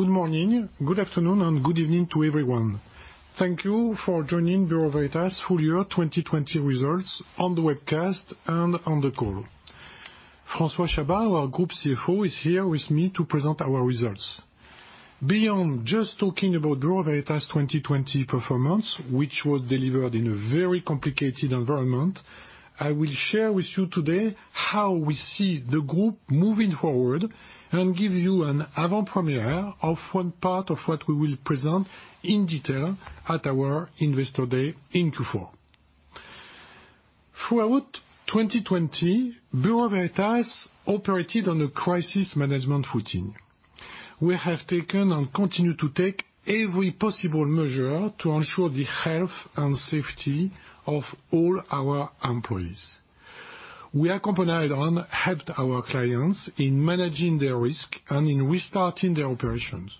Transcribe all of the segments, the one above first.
Good morning, good afternoon, and good evening to everyone. Thank you for joining Bureau Veritas Full Year 2020 Results on the webcast and on the call. François Chabas, our group CFO, is here with me to present our results. Beyond just talking about Bureau Veritas' 2020 performance, which was delivered in a very complicated environment, I will share with you today how we see the group moving forward and give you an avant-premiere of one part of what we will present in detail at our investor day in Q4. Throughout 2020, Bureau Veritas operated on a crisis management routine. We have taken, and continue to take, every possible measure to ensure the health and safety of all our employees. We accompanied and helped our clients in managing their risk and in restarting their operations.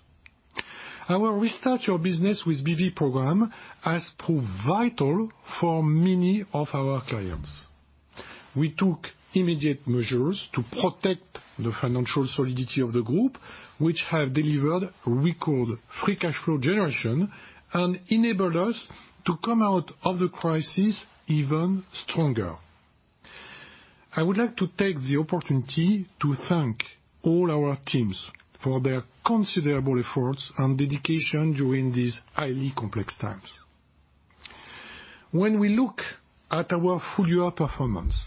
Our Restart Your Business with BV program has proved vital for many of our clients. We took immediate measures to protect the financial solidity of the group, which have delivered record free cash flow generation and enabled us to come out of the crisis even stronger. I would like to take the opportunity to thank all our teams for their considerable efforts and dedication during these highly complex times. When we look at our full year performance,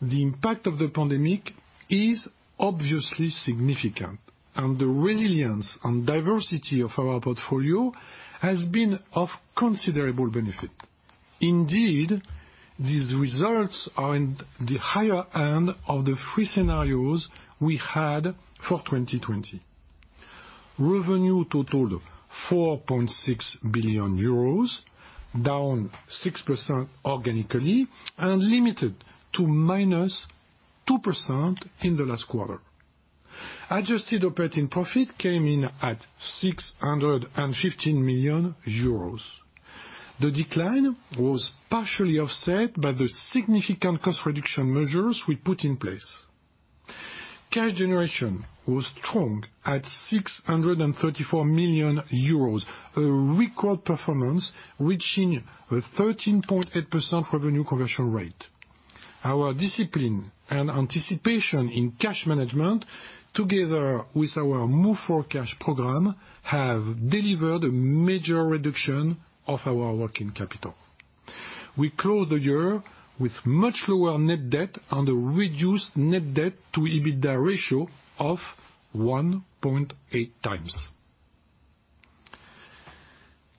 the impact of the pandemic is obviously significant, and the resilience and diversity of our portfolio has been of considerable benefit. Indeed, these results are in the higher end of the three scenarios we had for 2020. Revenue totaled 4.6 billion euros, down 6% organically, and limited to -2% in the last quarter. Adjusted operating profit came in at 615 million euros. The decline was partially offset by the significant cost reduction measures we put in place. Cash generation was strong at 634 million euros, a record performance reaching a 13.8% revenue conversion rate. Our discipline and anticipation in cash management, together with our Move For Cash program, have delivered a major reduction of our working capital. We closed the year with much lower net debt and a reduced net debt to EBITDA ratio of 1.8x.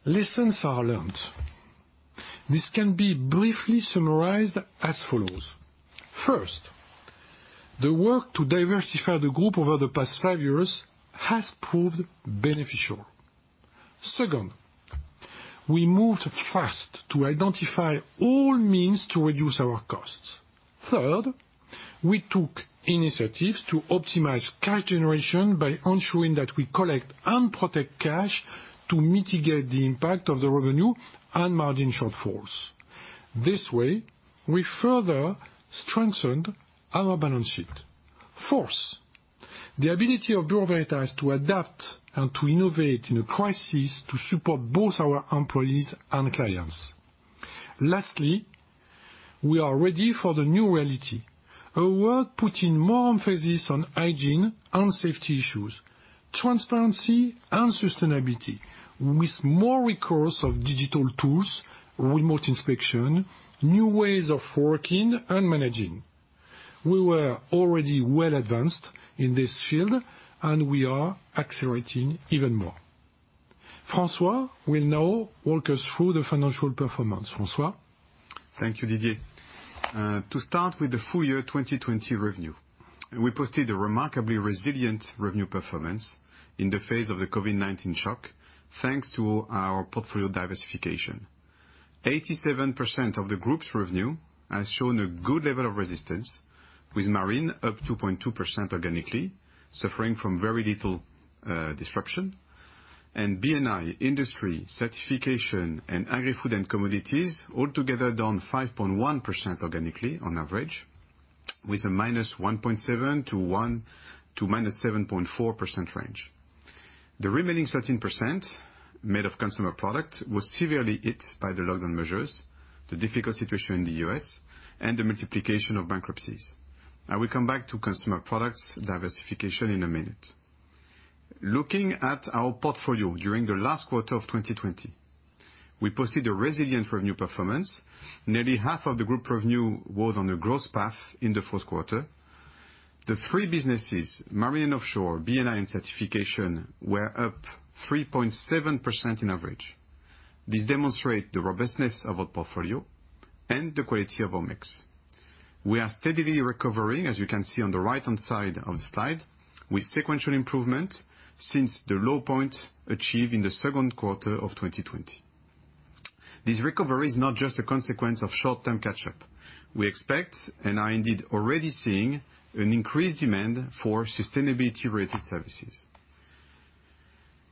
Lessons are learned. This can be briefly summarized as follows. First, the work to diversify the group over the past five years has proved beneficial. Second, we moved fast to identify all means to reduce our costs. Third, we took initiatives to optimize cash generation by ensuring that we collect and protect cash to mitigate the impact of the revenue and margin shortfalls. This way, we further strengthened our balance sheet. Fourth, the ability of Bureau Veritas to adapt and to innovate in a crisis to support both our employees and clients. Lastly, we are ready for the new reality, a world putting more emphasis on hygiene and safety issues, transparency and sustainability, with more recourse of digital tools, remote inspection, new ways of working and managing. We were already well advanced in this field, and we are accelerating even more. François will now walk us through the financial performance. François? Thank you, Didier. To start with the full year 2020 revenue, we posted a remarkably resilient revenue performance in the face of the COVID-19 shock, thanks to our portfolio diversification. 87% of the group's revenue has shown a good level of resistance, with Marine up 2.2% organically, suffering from very little disruption, and B&I, Industry, Certification, and Agri-Food & Commodities all together down 5.1% organically on average, with a -1.7% to -7.4% range. The remaining 13%, made of Consumer Products, was severely hit by the lockdown measures, the difficult situation in the U.S., and the multiplication of bankruptcies. I will come back to Consumer Products diversification in a minute. Looking at our portfolio during the last quarter of 2020, we posted a resilient revenue performance. Nearly half of the group revenue was on a growth path in the fourth quarter. The three businesses, Marine & Offshore, B&I, and Certification, were up 3.7% on average. This demonstrates the robustness of our portfolio and the quality of our mix. We are steadily recovering, as you can see on the right-hand side of the slide, with sequential improvement since the low point achieved in the second quarter of 2020. This recovery is not just a consequence of short-term catch-up. We expect and are indeed already seeing an increased demand for sustainability-related services.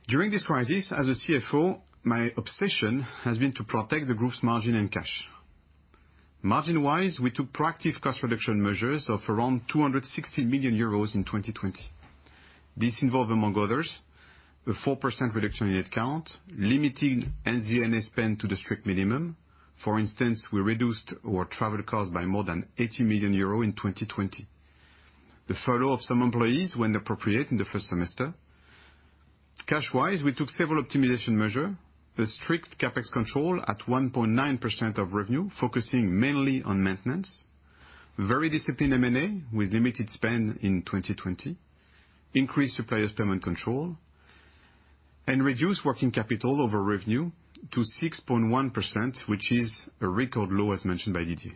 During this crisis, as a CFO, my obsession has been to protect the group's margin and cash. Margin-wise, we took proactive cost reduction measures of around 260 million euros in 2020. This involved, among others, a 4% reduction in head count, limiting SG&A spend to the strict minimum. For instance, we reduced our travel costs by more than 80 million euros in 2020. The furlough of some employees when appropriate in the first semester. Cash-wise, we took several optimization measure, a strict CapEx control at 1.9% of revenue, focusing mainly on maintenance. Very disciplined M&A with limited spend in 2020. Increased suppliers payment control and reduced working capital over revenue to 6.1%, which is a record low, as mentioned by Didier.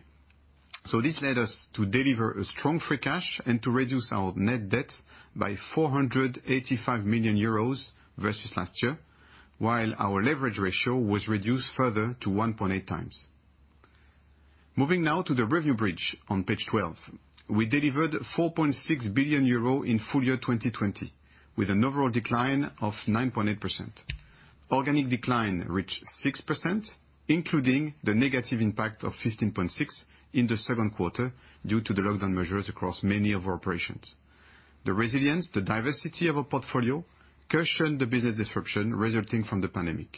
This led us to deliver a strong free cash and to reduce our net debt by 485 million euros versus last year, while our leverage ratio was reduced further to 1.8x. Moving now to the revenue bridge, on page 12. We delivered 4.6 billion euro in full year 2020, with an overall decline of 9.8%. Organic decline reached 6%, including the negative impact of 15.6% in the second quarter due to the lockdown measures across many of our operations. The resilience, the diversity of our portfolio cushioned the business disruption resulting from the pandemic.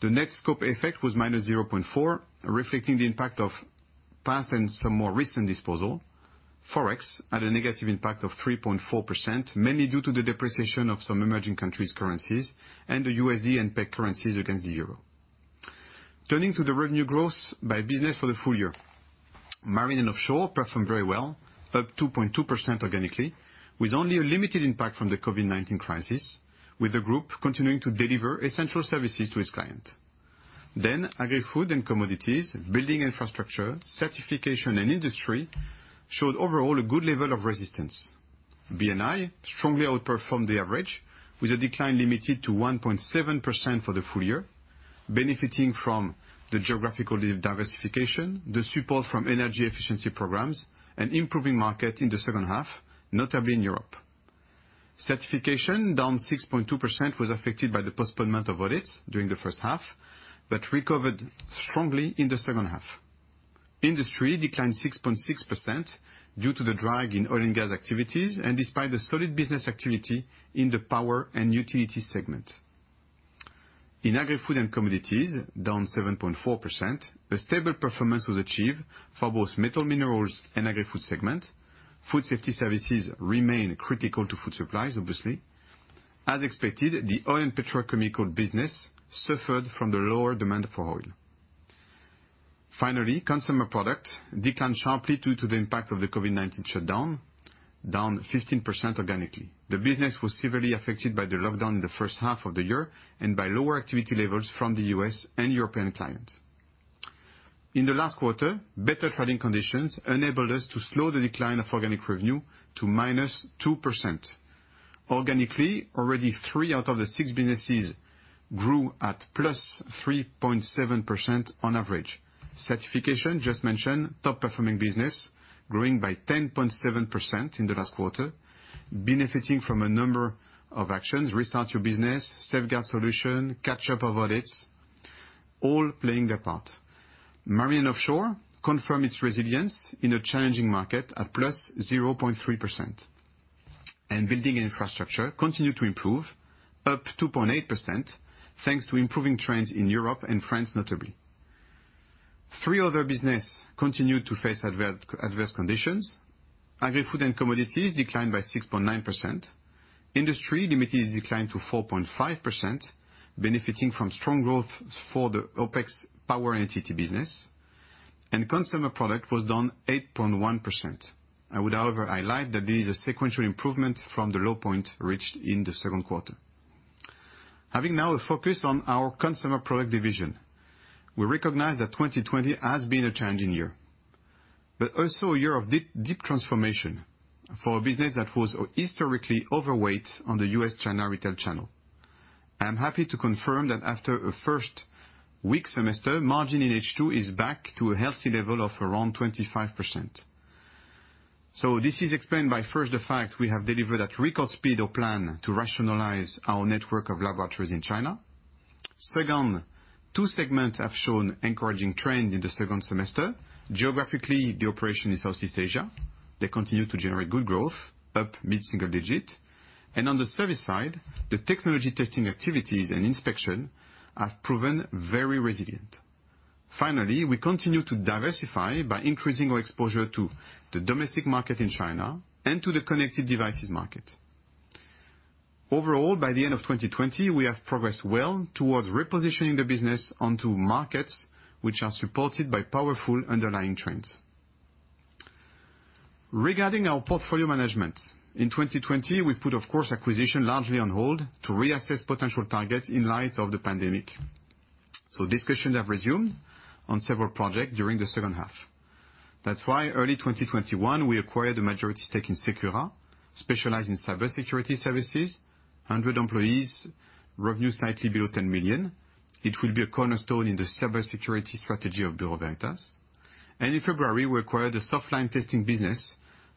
The net scope effect was -0.4%, reflecting the impact of past and some more recent disposal. Forex had a negative impact of 3.4%, mainly due to the depreciation of some emerging countries' currencies and the USD and peg currencies against the Euro. Turning to the revenue growth by business for the full year. Marine & Offshore performed very well, up 2.2% organically, with only a limited impact from the COVID-19 crisis, with the group continuing to deliver essential services to its client. Agri-Food & Commodities, Buildings & Infrastructure, Certification and Industry showed overall a good level of resistance. B&I strongly outperformed the average, with a decline limited to 1.7% for the full year, benefiting from the geographical diversification, the support from energy efficiency programs and improving market in the second half, notably in Europe. Certification, down 6.2%, was affected by the postponement of audits during the first half, but recovered strongly in the second half. Industry declined 6.6% due to the drag in oil and gas activities and despite the solid business activity in the power and utility segment. In Agri-Food & Commodities, down 7.4%, a stable performance was achieved for both metal, minerals and agri-food segment. Food safety services remain critical to food supplies, obviously. As expected, the oil and petrochemical business suffered from the lower demand for oil. Finally, Consumer Products declined sharply due to the impact of the COVID-19 shutdown, down 15% organically. The business was severely affected by the lockdown in the first half of the year and by lower activity levels from the U.S. and European clients. In the last quarter, better trading conditions enabled us to slow the decline of organic revenue to -2%. Organically, already three out of the six businesses grew at +3.7% on average. Certification, just mentioned, top performing business, growing by 10.7% in the last quarter, benefiting from a number of actions, Restart Your Business, SafeGuard, catch-up of audits, all playing their part. Marine & Offshore confirm its resilience in a challenging market at +0.3%. Building & Infrastructure continued to improve, up 2.8%, thanks to improving trends in Europe and France, notably. Three other business continued to face adverse conditions. Agri-Food & Commodities declined by 6.9%. Industry limited its decline to 4.5%, benefiting from strong growth for the OpEx power and utility business. Consumer Products was down 8.1%. I would, however, highlight that this is a sequential improvement from the low point reached in the second quarter. Having now a focus on our Consumer Products division, we recognize that 2020 has been a challenging year, but also a year of deep transformation for a business that was historically overweight on the U.S., China retail channel. I am happy to confirm that after a first weak semester, margin in H2 is back to a healthy level of around 25%. This is explained by, first, the fact we have delivered at record speed our plan to rationalize our network of laboratories in China. Second, two segments have shown encouraging trend in the second semester. Geographically, the operation in Southeast Asia, they continue to generate good growth, up mid-single digit. On the service side, the technology testing activities and inspection have proven very resilient. Finally, we continue to diversify by increasing our exposure to the domestic market in China and to the connected devices market. Overall, by the end of 2020, we have progressed well towards repositioning the business onto markets which are supported by powerful underlying trends. Regarding our portfolio management, in 2020, we put, of course, acquisition largely on hold to reassess potential targets in light of the pandemic. Discussions have resumed on several projects during the second half. Early 2021, we acquired a majority stake in Secura, specialized in cybersecurity services, 100 employees, revenue slightly below 10 million. It will be a cornerstone in the cybersecurity strategy of Bureau Veritas. In February, we acquired a softline testing business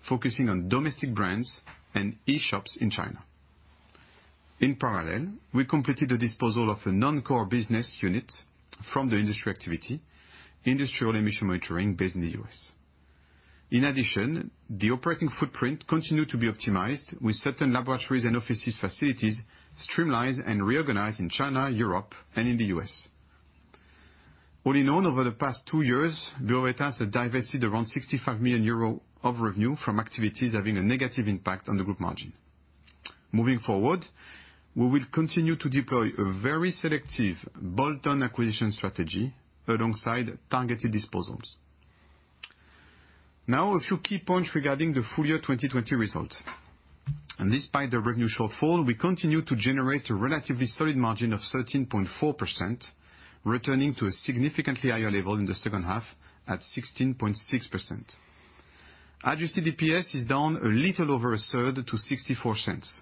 focusing on domestic brands and e-shops in China. In parallel, we completed the disposal of a non-core business unit from the Industry activity, industrial emission monitoring, based in the U.S. In addition, the operating footprint continued to be optimized with certain laboratories and offices facilities streamlined and reorganized in China, Europe, and in the U.S. All in all, over the past two years, Bureau Veritas has divested around 65 million euros of revenue from activities having a negative impact on the group margin. Moving forward, we will continue to deploy a very selective bolt-on acquisition strategy alongside targeted disposals. Now a few key points regarding the full year 2020 results. Despite the revenue shortfall, we continue to generate a relatively solid margin of 13.4%, returning to a significantly higher level in the second half at 16.6%. Adjusted EPS is down a little over a third to 0.64.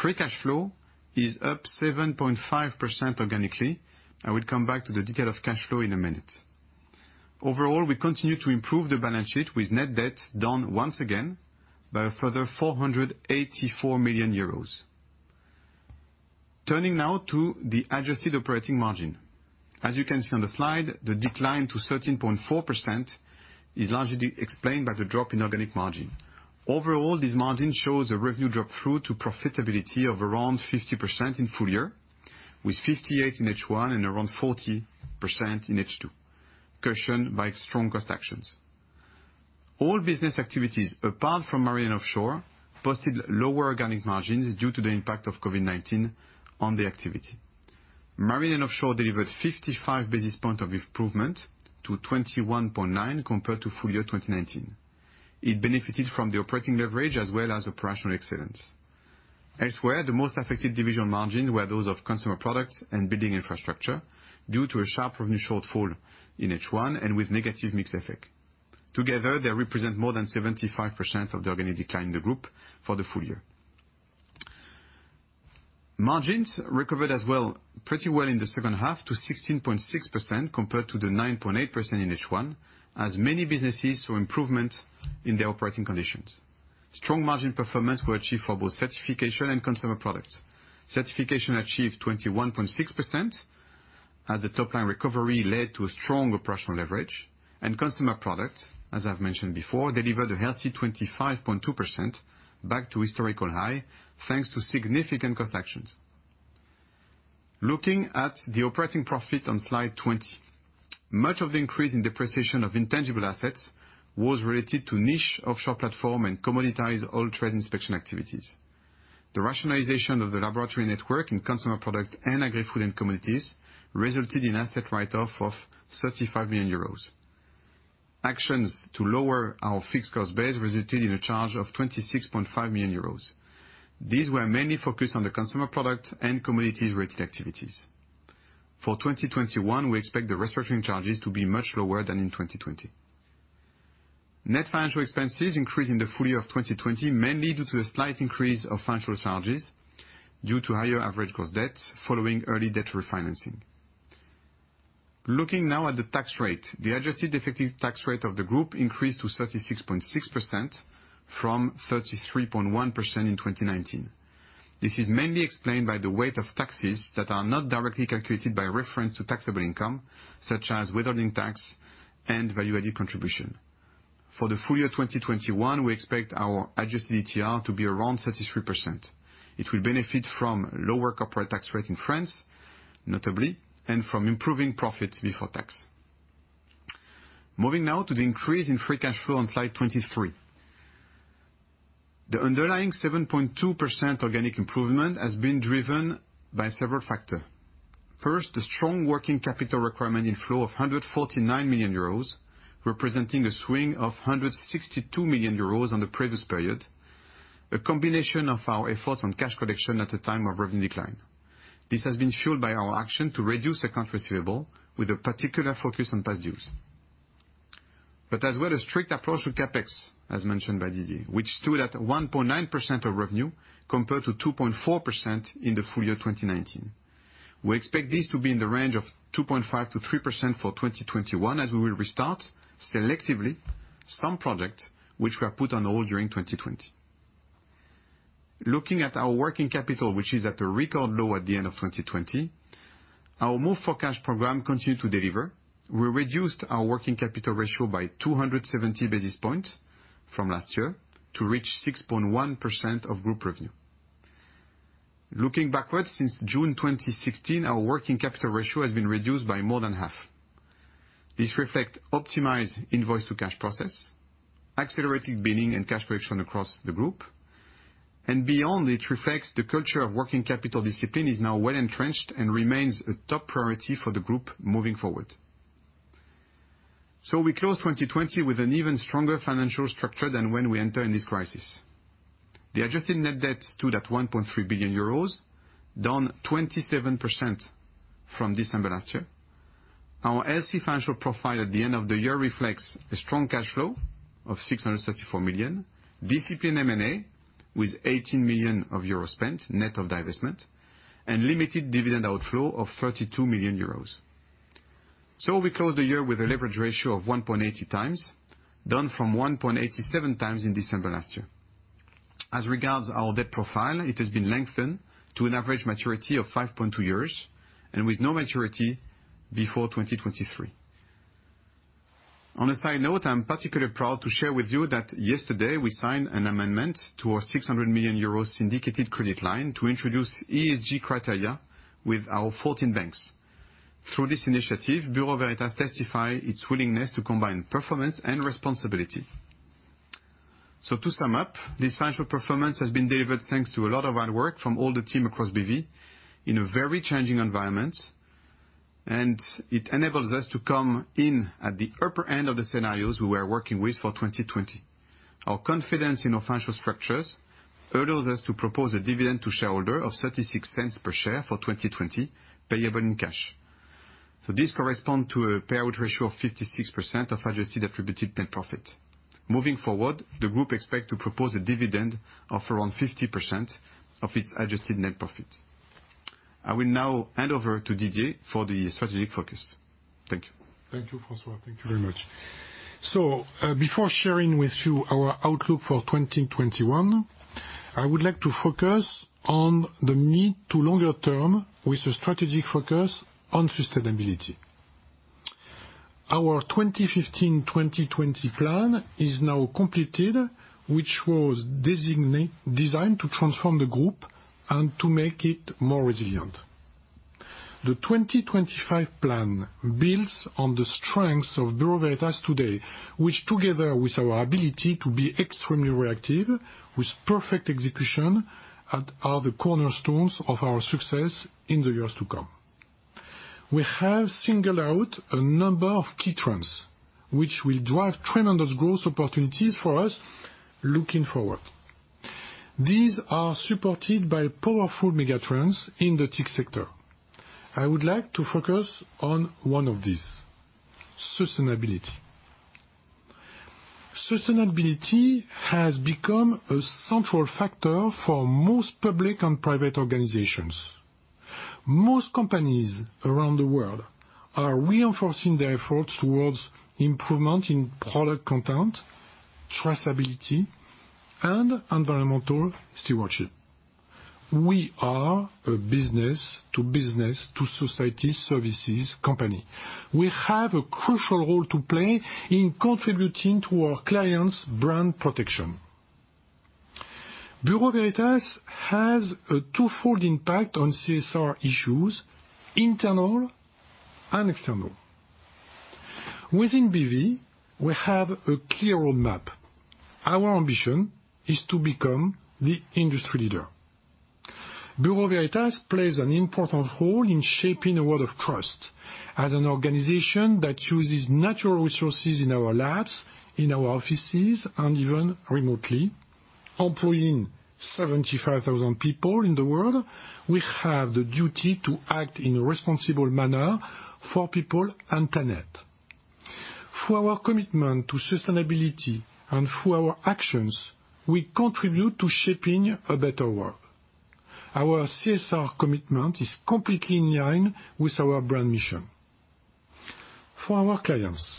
Free cash flow is up 7.5% organically. I will come back to the detail of cash flow in a minute. Overall, we continue to improve the balance sheet with net debt down once again by a further 484 million euros. Turning now to the adjusted operating margin. As you can see on the slide, the decline to 13.4% is largely explained by the drop in organic margin. Overall, this margin shows a revenue drop-through to profitability of around 50% in full year, with 58% in H1 and around 40% in H2, cushioned by strong cost actions. All business activities, apart from Marine & Offshore, posted lower organic margins due to the impact of COVID-19 on the activity. Marine & Offshore delivered 55 basis point of improvement to 21.9% compared to full year 2019. It benefited from the operating leverage as well as operational excellence. Elsewhere, the most affected division margin were those of Consumer Products and Buildings & Infrastructure due to a sharp revenue shortfall in H1 and with negative mix effect. Together, they represent more than 75% of the organic decline in the group for the full year. Margins recovered as well pretty well in the second half to 16.6% compared to the 9.8% in H1, as many businesses saw improvement in their operating conditions. Strong margin performance were achieved for both Certification and Consumer Products. Certification achieved 21.6% as the top-line recovery led to a strong operational leverage, and Consumer Products, as I've mentioned before, delivered a healthy 25.2% back to historical high, thanks to significant cost actions. Looking at the operating profit on slide 20. Much of the increase in depreciation of intangible assets was related to niche offshore platform and commoditized oil trade inspection activities. The rationalization of the laboratory network in Consumer Products and Agri-Food & Commodities resulted in asset write-off of 35 million euros. Actions to lower our fixed cost base resulted in a charge of 26.5 million euros. These were mainly focused on the Consumer Products and Commodities-related activities. For 2021, we expect the restructuring charges to be much lower than in 2020. Net financial expenses increased in the full year of 2020, mainly due to a slight increase of financial charges due to higher average gross debt following early debt refinancing. Looking now at the tax rate. The adjusted effective tax rate of the group increased to 36.6% from 33.1% in 2019. This is mainly explained by the weight of taxes that are not directly calculated by reference to taxable income, such as withholding tax and value-added contribution. For the full year 2021, we expect our adjusted ETR to be around 33%. It will benefit from lower corporate tax rate in France, notably, and from improving profits before tax. Moving now to the increase in free cash flow on slide 23. The underlying 7.2% organic improvement has been driven by several factor. First, the strong working capital requirement inflow of 149 million euros, representing a swing of 162 million euros on the previous period, a combination of our efforts on cash collection at a time of revenue decline. This has been fueled by our action to reduce accounts receivable with a particular focus on past dues. As well as strict approach to CapEx, as mentioned by Didier, which stood at 1.9% of revenue compared to 2.4% in the full year 2019. We expect this to be in the range of 2.5%-3% for 2021, as we will restart selectively some project which were put on hold during 2020. Looking at our working capital, which is at a record low at the end of 2020, our Move For Cash program continued to deliver. We reduced our working capital ratio by 270 basis points from last year to reach 6.1% of group revenue. Looking backwards, since June 2016, our working capital ratio has been reduced by more than half. This reflect optimized invoice-to-cash process, accelerated billing and cash collection across the group, and beyond, it reflects the culture of working capital discipline is now well entrenched and remains a top priority for the group moving forward. We close 2020 with an even stronger financial structure than when we enter in this crisis. The adjusted net debt stood at 1.3 billion euros, down 27% from December last year. Our healthy financial profile at the end of the year reflects a strong cash flow of 634 million, disciplined M&A with 18 million euros spent net of divestment, and limited dividend outflow of 32 million euros. We closed the year with a leverage ratio of 1.80x, down from 1.87x in December last year. As regards our debt profile, it has been lengthened to an average maturity of 5.2 years, and with no maturity before 2023. On a side note, I am particularly proud to share with you that yesterday we signed an amendment to our 600 million euro syndicated credit line to introduce ESG criteria with our 14 banks. Through this initiative, Bureau Veritas testifies its willingness to combine performance and responsibility. To sum up, this financial performance has been delivered thanks to a lot of hard work from all the team across BV in a very changing environment, and it enables us to come in at the upper end of the scenarios we were working with for 2020. Our confidence in our financial structures allows us to propose a dividend to shareholders of 0.36 per share for 2020, payable in cash. This corresponds to a payout ratio of 56% of adjusted attributed net profit. Moving forward, the group expects to propose a dividend of around 50% of its adjusted net profit. I will now hand over to Didier for the strategic focus. Thank you. Thank you, François. Thank you very much. Before sharing with you our outlook for 2021, I would like to focus on the mid to longer term with a strategic focus on sustainability. Our 2015/2020 plan is now completed, which was designed to transform the group and to make it more resilient. The 2025 plan builds on the strengths of Bureau Veritas today, which, together with our ability to be extremely reactive with perfect execution, are the cornerstones of our success in the years to come. We have singled out a number of key trends which will drive tremendous growth opportunities for us looking forward. These are supported by powerful mega trends in the TIC sector. I would like to focus on one of these, sustainability. Sustainability has become a central factor for most public and private organizations. Most companies around the world are reinforcing their efforts towards improvement in product content, traceability, and environmental stewardship. We are a business to business to society services company. We have a crucial role to play in contributing to our clients' brand protection. Bureau Veritas has a twofold impact on CSR issues, internal and external. Within BV, we have a clear road map. Our ambition is to become the industry leader. Bureau Veritas plays an important role in shaping a world of trust. As an organization that uses natural resources in our labs, in our offices, and even remotely, employing 75,000 people in the world, we have the duty to act in a responsible manner for people and planet. Through our commitment to sustainability and through our actions, we contribute to shaping a better world. Our CSR commitment is completely in line with our brand mission. For our clients,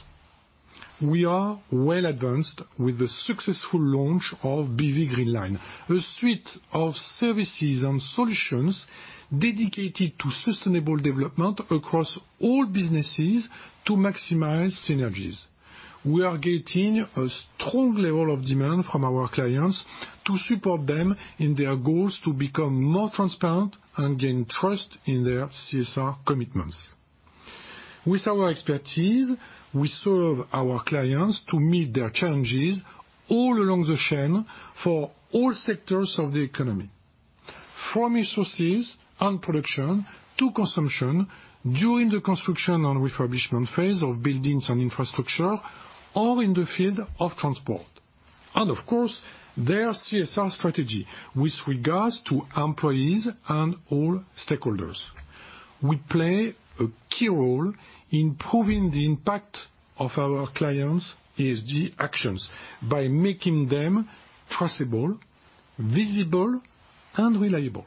we are well advanced with the successful launch of BV Green Line, a suite of services and solutions dedicated to sustainable development across all businesses to maximize synergies. We are getting a strong level of demand from our clients to support them in their goals to become more transparent and gain trust in their CSR commitments. With our expertise, we serve our clients to meet their challenges all along the chain for all sectors of the economy, from resources and production to consumption, during the construction and refurbishment phase of buildings and infrastructure, or in the field of transport. Of course, their CSR strategy with regards to employees and all stakeholders. We play a key role in proving the impact of our clients' ESG actions by making them traceable, visible, and reliable.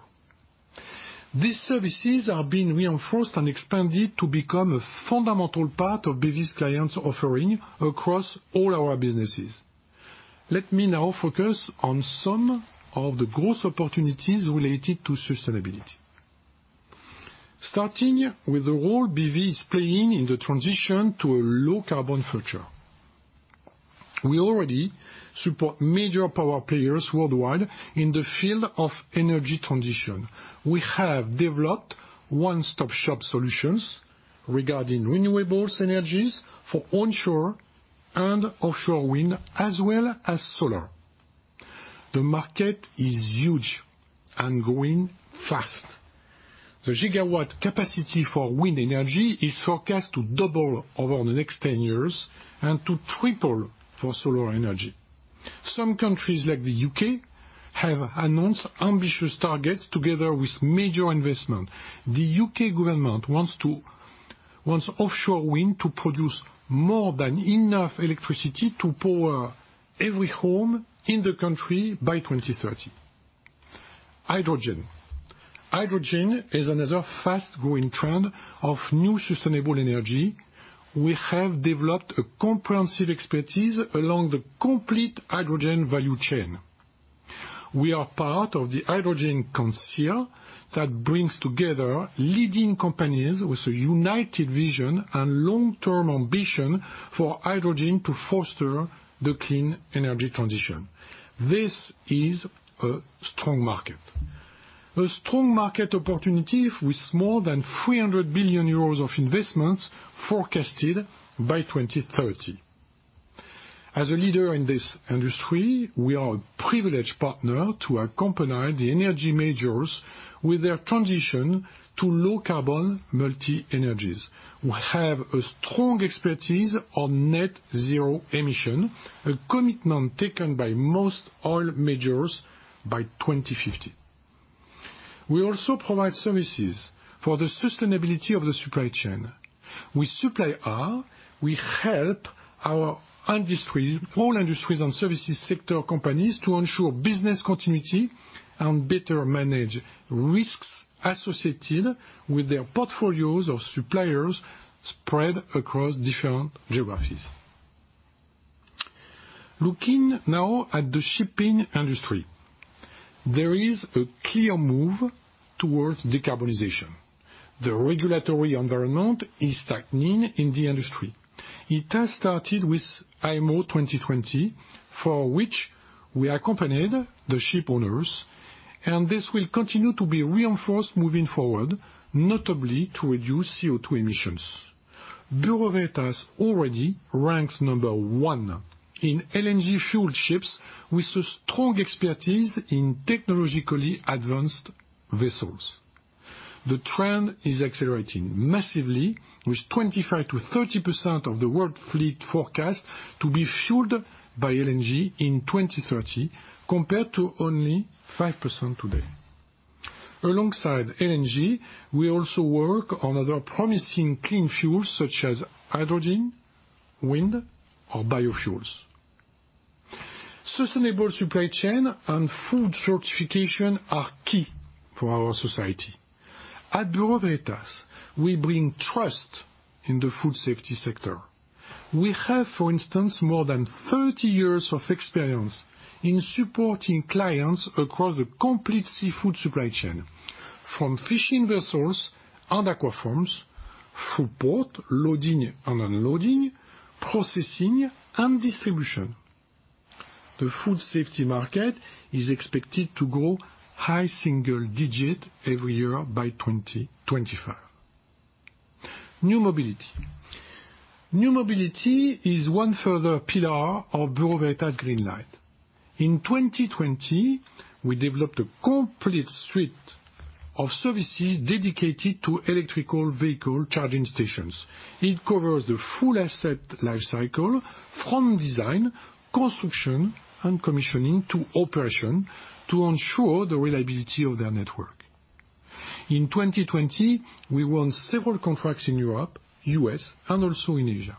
These services are being reinforced and expanded to become a fundamental part of BV's clients' offering across all our businesses. Let me now focus on some of the growth opportunities related to sustainability. Starting with the role BV is playing in the transition to a low carbon future. We already support major power players worldwide in the field of energy transition. We have developed one-stop shop solutions regarding renewable energies for onshore and offshore wind, as well as solar. The market is huge and growing fast. The gigawatt capacity for wind energy is forecast to double over the next 10 years and to triple for solar energy. Some countries, like the U.K., have announced ambitious targets together with major investment. The U.K. government wants offshore wind to produce more than enough electricity to power every home in the country by 2030. Hydrogen is another fast-growing trend of new sustainable energy. We have developed a comprehensive expertise along the complete hydrogen value chain. We are part of the Hydrogen Council that brings together leading companies with a united vision and long-term ambition for hydrogen to foster the clean energy transition. This is a strong market. A strong market opportunity with more than 300 billion euros of investments forecasted by 2030. As a leader in this industry, we are a privileged partner to accompany the energy majors with their transition to low-carbon multi-energies. We have a strong expertise on net zero emission, a commitment taken by most oil majors by 2050. We also provide services for the sustainability of the supply chain. With supply chain, we help our industries, all industries and services sector companies, to ensure business continuity and better manage risks associated with their portfolios or suppliers spread across different geographies. Looking now at the shipping industry. There is a clear move towards decarbonization. The regulatory environment is tightening in the industry. It has started with IMO 2020, for which we accompanied the ship owners, and this will continue to be reinforced moving forward, notably to reduce CO2 emissions. Bureau Veritas already ranks number one in LNG-fueled ships with a strong expertise in technologically advanced vessels. The trend is accelerating massively, with 25% to 30% of the world fleet forecast to be fueled by LNG in 2030, compared to only 5% today. Alongside LNG, we also work on other promising clean fuels such as hydrogen, wind, or biofuels. Sustainable supply chain and food certification are key for our society. At Bureau Veritas, we bring trust in the food safety sector. We have, for instance, more than 30 years of experience in supporting clients across the complete seafood supply chain, from fishing vessels and aquafarms through port loading and unloading, processing, and distribution. The food safety market is expected to grow high single-digit every year by 2025. New mobility. New mobility is one further pillar of Bureau Veritas Green Line. In 2020, we developed a complete suite of services dedicated to electrical vehicle charging stations. It covers the full asset life cycle from design, construction, and commissioning to operation to ensure the reliability of their network. In 2020, we won several contracts in Europe, U.S., and also in Asia.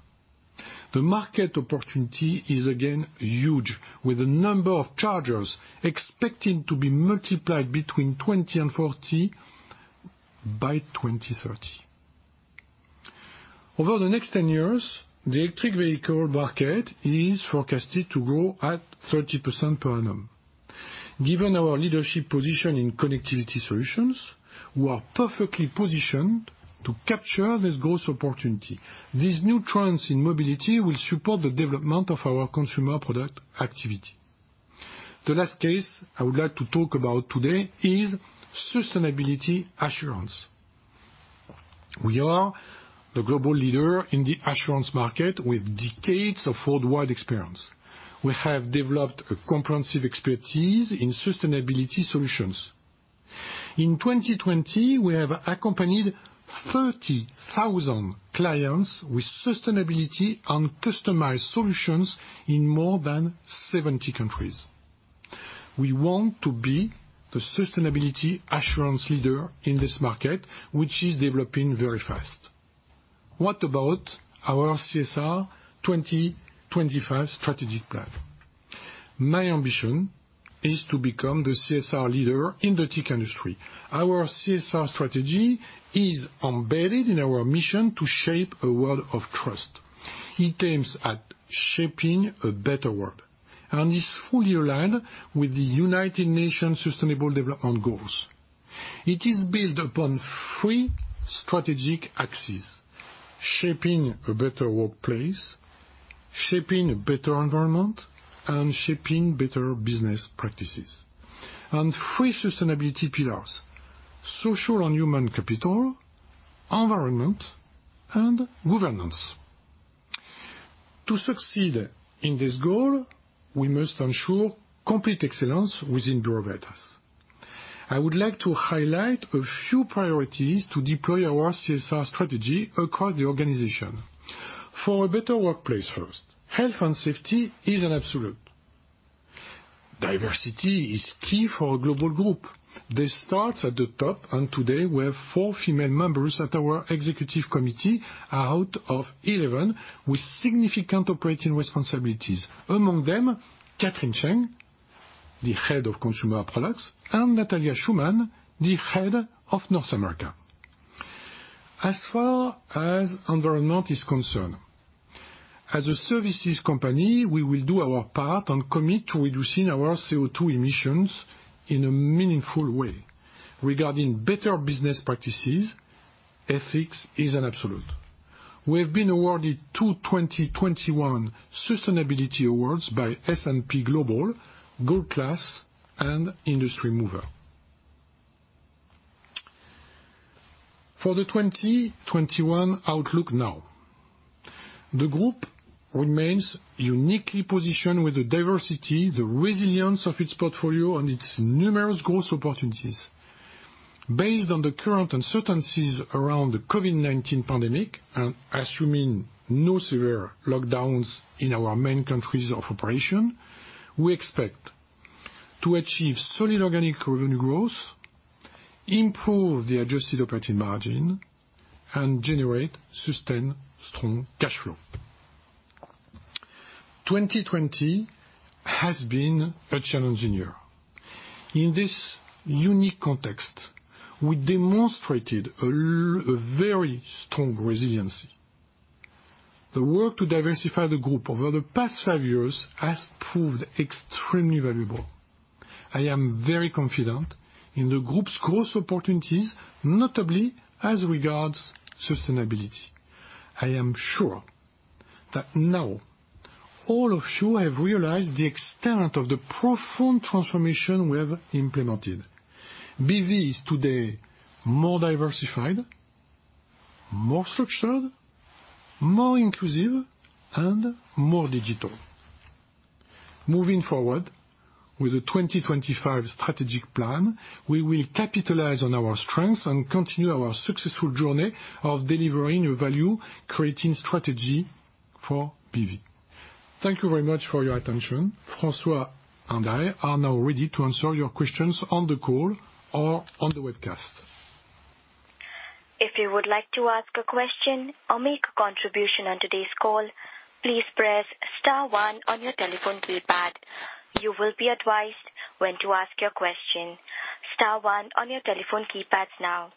The market opportunity is again huge, with the number of chargers expecting to be multiplied between 20 and 40 by 2030. Over the next 10 years, the electric vehicle market is forecasted to grow at 30% per annum. Given our leadership position in connectivity solutions, we are perfectly positioned to capture this growth opportunity. These new trends in mobility will support the development of our Consumer Products activity. The last case I would like to talk about today is sustainability assurance. We are the global leader in the assurance market with decades of worldwide experience. We have developed a comprehensive expertise in sustainability solutions. In 2020, we have accompanied 30,000 clients with sustainability and customized solutions in more than 70 countries. We want to be the sustainability assurance leader in this market, which is developing very fast. What about our CSR 2025 strategic plan? My ambition is to become the CSR leader in the TIC industry. Our CSR strategy is embedded in our mission to shape a world of trust. It aims at shaping a better world, and is fully aligned with the United Nations Sustainable Development Goals. It is built upon three strategic axes: shaping a better workplace, shaping a better environment, and shaping better business practices, and three sustainability pillars: social and human capital, environment, and governance. To succeed in this goal, we must ensure complete excellence within Bureau Veritas. I would like to highlight a few priorities to deploy our CSR strategy across the organization. For a better workplace first, health and safety is an absolute. Diversity is key for a global group. This starts at the top, and today we have four female members at our executive committee out of 11 with significant operating responsibilities. Among them, Catherine Chen, the head of Consumer Products, and Natalia Shuman, the head of North America. As far as environment is concerned, as a services company, we will do our part and commit to reducing our CO2 emissions in a meaningful way. Regarding better business practices, ethics is an absolute. We have been awarded two 2021 sustainability awards by S&P Global, Gold Class and Industry Mover. For the 2021 outlook now. The group remains uniquely positioned with the diversity, the resilience of its portfolio, and its numerous growth opportunities. Based on the current uncertainties around the COVID-19 pandemic and assuming no severe lockdowns in our main countries of operation, we expect to achieve solid organic revenue growth, improve the adjusted operating margin, and generate sustained strong cash flow. 2020 has been a challenging year. In this unique context, we demonstrated a very strong resiliency. The work to diversify the group over the past five years has proved extremely valuable. I am very confident in the group's growth opportunities, notably as regards sustainability. I am sure that now all of you have realized the extent of the profound transformation we have implemented. BV is today more diversified, more structured, more inclusive, and more digital. Moving forward with a 2025 strategic plan, we will capitalize on our strengths and continue our successful journey of delivering a value-creating strategy for BV. Thank you very much for your attention. François and I are now ready to answer your questions on the call or on the webcast. If you would like to ask a question or make a contribution on today's call, please press star one on your telephone keypad. You will be advised when to ask your question. Star one on your telephone keypads now.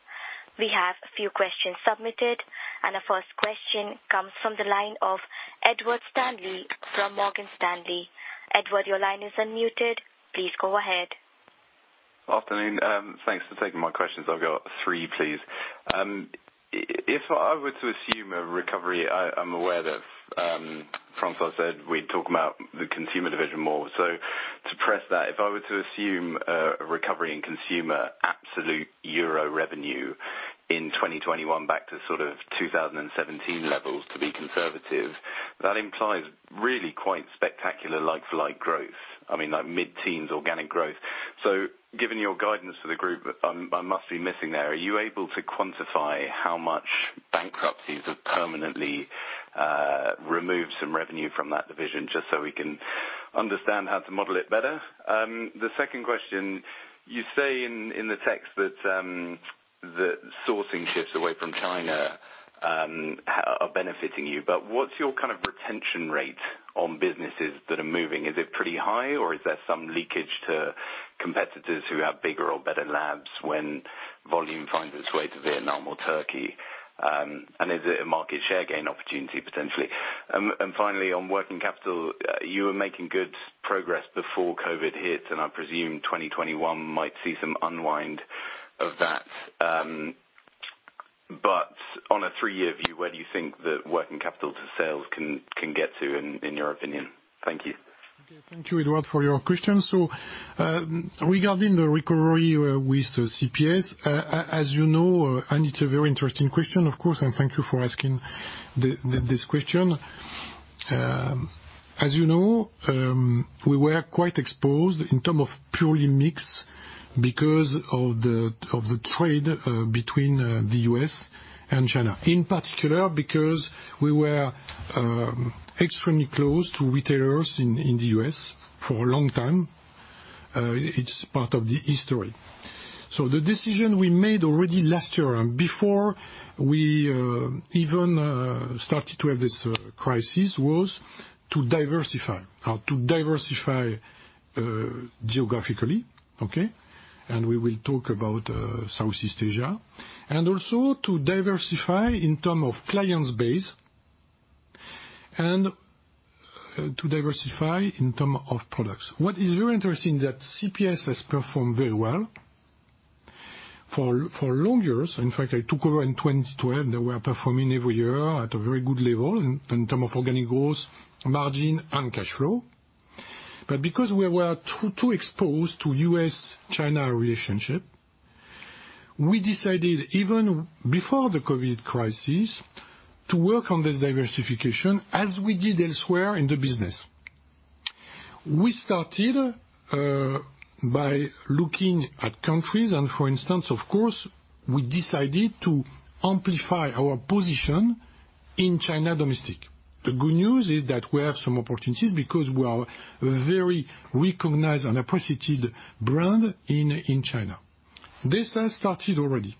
We have a few questions submitted. The first question comes from the line of Edward Stanley from Morgan Stanley. Edward, your line is unmuted. Please go ahead. Afternoon. Thanks for taking my questions. I've got three, please. If I were to assume a recovery, I'm aware that François said we'd talk about the Consumer division more. To press that, if I were to assume a recovery in Consumer absolute euro revenue in 2021 back to 2017 levels, to be conservative, that implies really quite spectacular like-for-like growth, like mid-teens organic growth. Given your guidance for the group, I must be missing there. Are you able to quantify how much bankruptcies have permanently removed some revenue from that division, just so we can understand how to model it better? The second question, you say in the text that the sourcing shifts away from China are benefiting you, but what's your retention rate on businesses that are moving? Is it pretty high, or is there some leakage to competitors who have bigger or better labs when volume finds its way to Vietnam or Turkey? Is it a market share gain opportunity potentially? Finally, on working capital, you were making good progress before COVID hit, and I presume 2021 might see some unwind of that. On a three-year view, where do you think the working capital to sales can get to, in your opinion? Thank you. Okay. Thank you, Edward, for your question. Regarding the recovery with CPS, it's a very interesting question, of course, thank you for asking this question. As you know, we were quite exposed in term of purely mix because of the trade between the U.S. and China. In particular, because we were extremely close to retailers in the U.S. for a long time. It's part of the history. The decision we made already last year and before we even started to have this crisis, was to diversify. To diversify geographically, okay? We will talk about Southeast Asia. Also to diversify in term of clients base to diversify in term of products. What is very interesting is that CPS has performed very well for long years. In fact, I took over in 2012. They were performing every year at a very good level in terms of organic growth, margin, and cash flow. Because we were too exposed to U.S.-China relationship, we decided even before the COVID-19 crisis to work on this diversification as we did elsewhere in the business. We started by looking at countries. For instance, of course, we decided to amplify our position in China domestic. The good news is that we have some opportunities because we are a very recognized and appreciated brand in China. This has started already.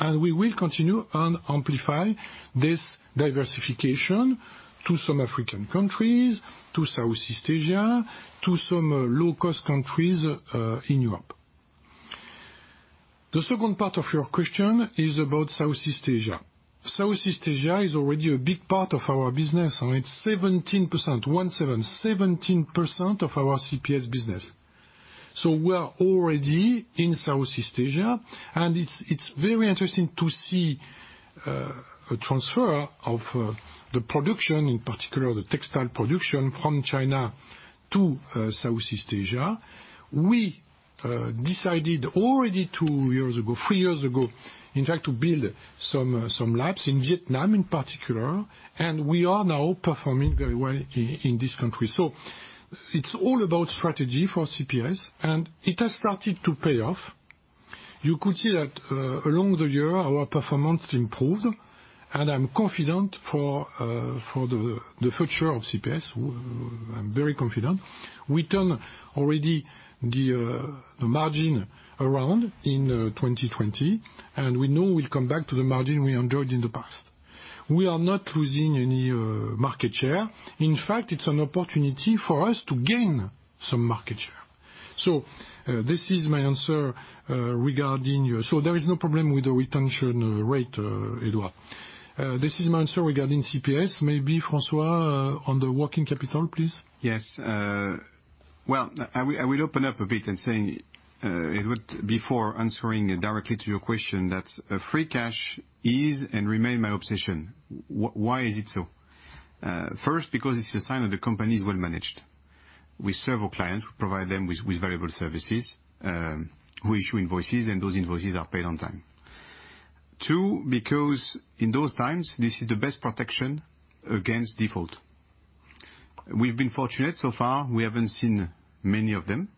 We will continue and amplify this diversification to some African countries, to Southeast Asia, to some low-cost countries in Europe. The second part of your question is about Southeast Asia. Southeast Asia is already a big part of our business. It's 17% of our CPS business. We are already in Southeast Asia, and it's very interesting to see a transfer of the production, in particular the textile production, from China to Southeast Asia. We decided already two years ago, three years ago, in fact, to build some labs in Vietnam in particular, and we are now performing very well in this country. It's all about strategy for CPS, and it has started to pay off. You could see that along the year our performance improved, and I'm confident for the future of CPS. I'm very confident. We turn already the margin around in 2020, and we know we'll come back to the margin we enjoyed in the past. We are not losing any market share. In fact, it's an opportunity for us to gain some market share. There is no problem with the retention rate, Edward. This is my answer regarding CPS, maybe François, on the working capital, please. Yes. Well, I will open up a bit in saying, Edward, before answering directly to your question, that free cash is and remains my obsession. Why is it so? First, because it's a sign that the company is well-managed. We serve our clients, we provide them with valuable services, we issue invoices, those invoices are paid on time. Two, because in those times, this is the best protection against default. We've been fortunate so far, we haven't seen many of them,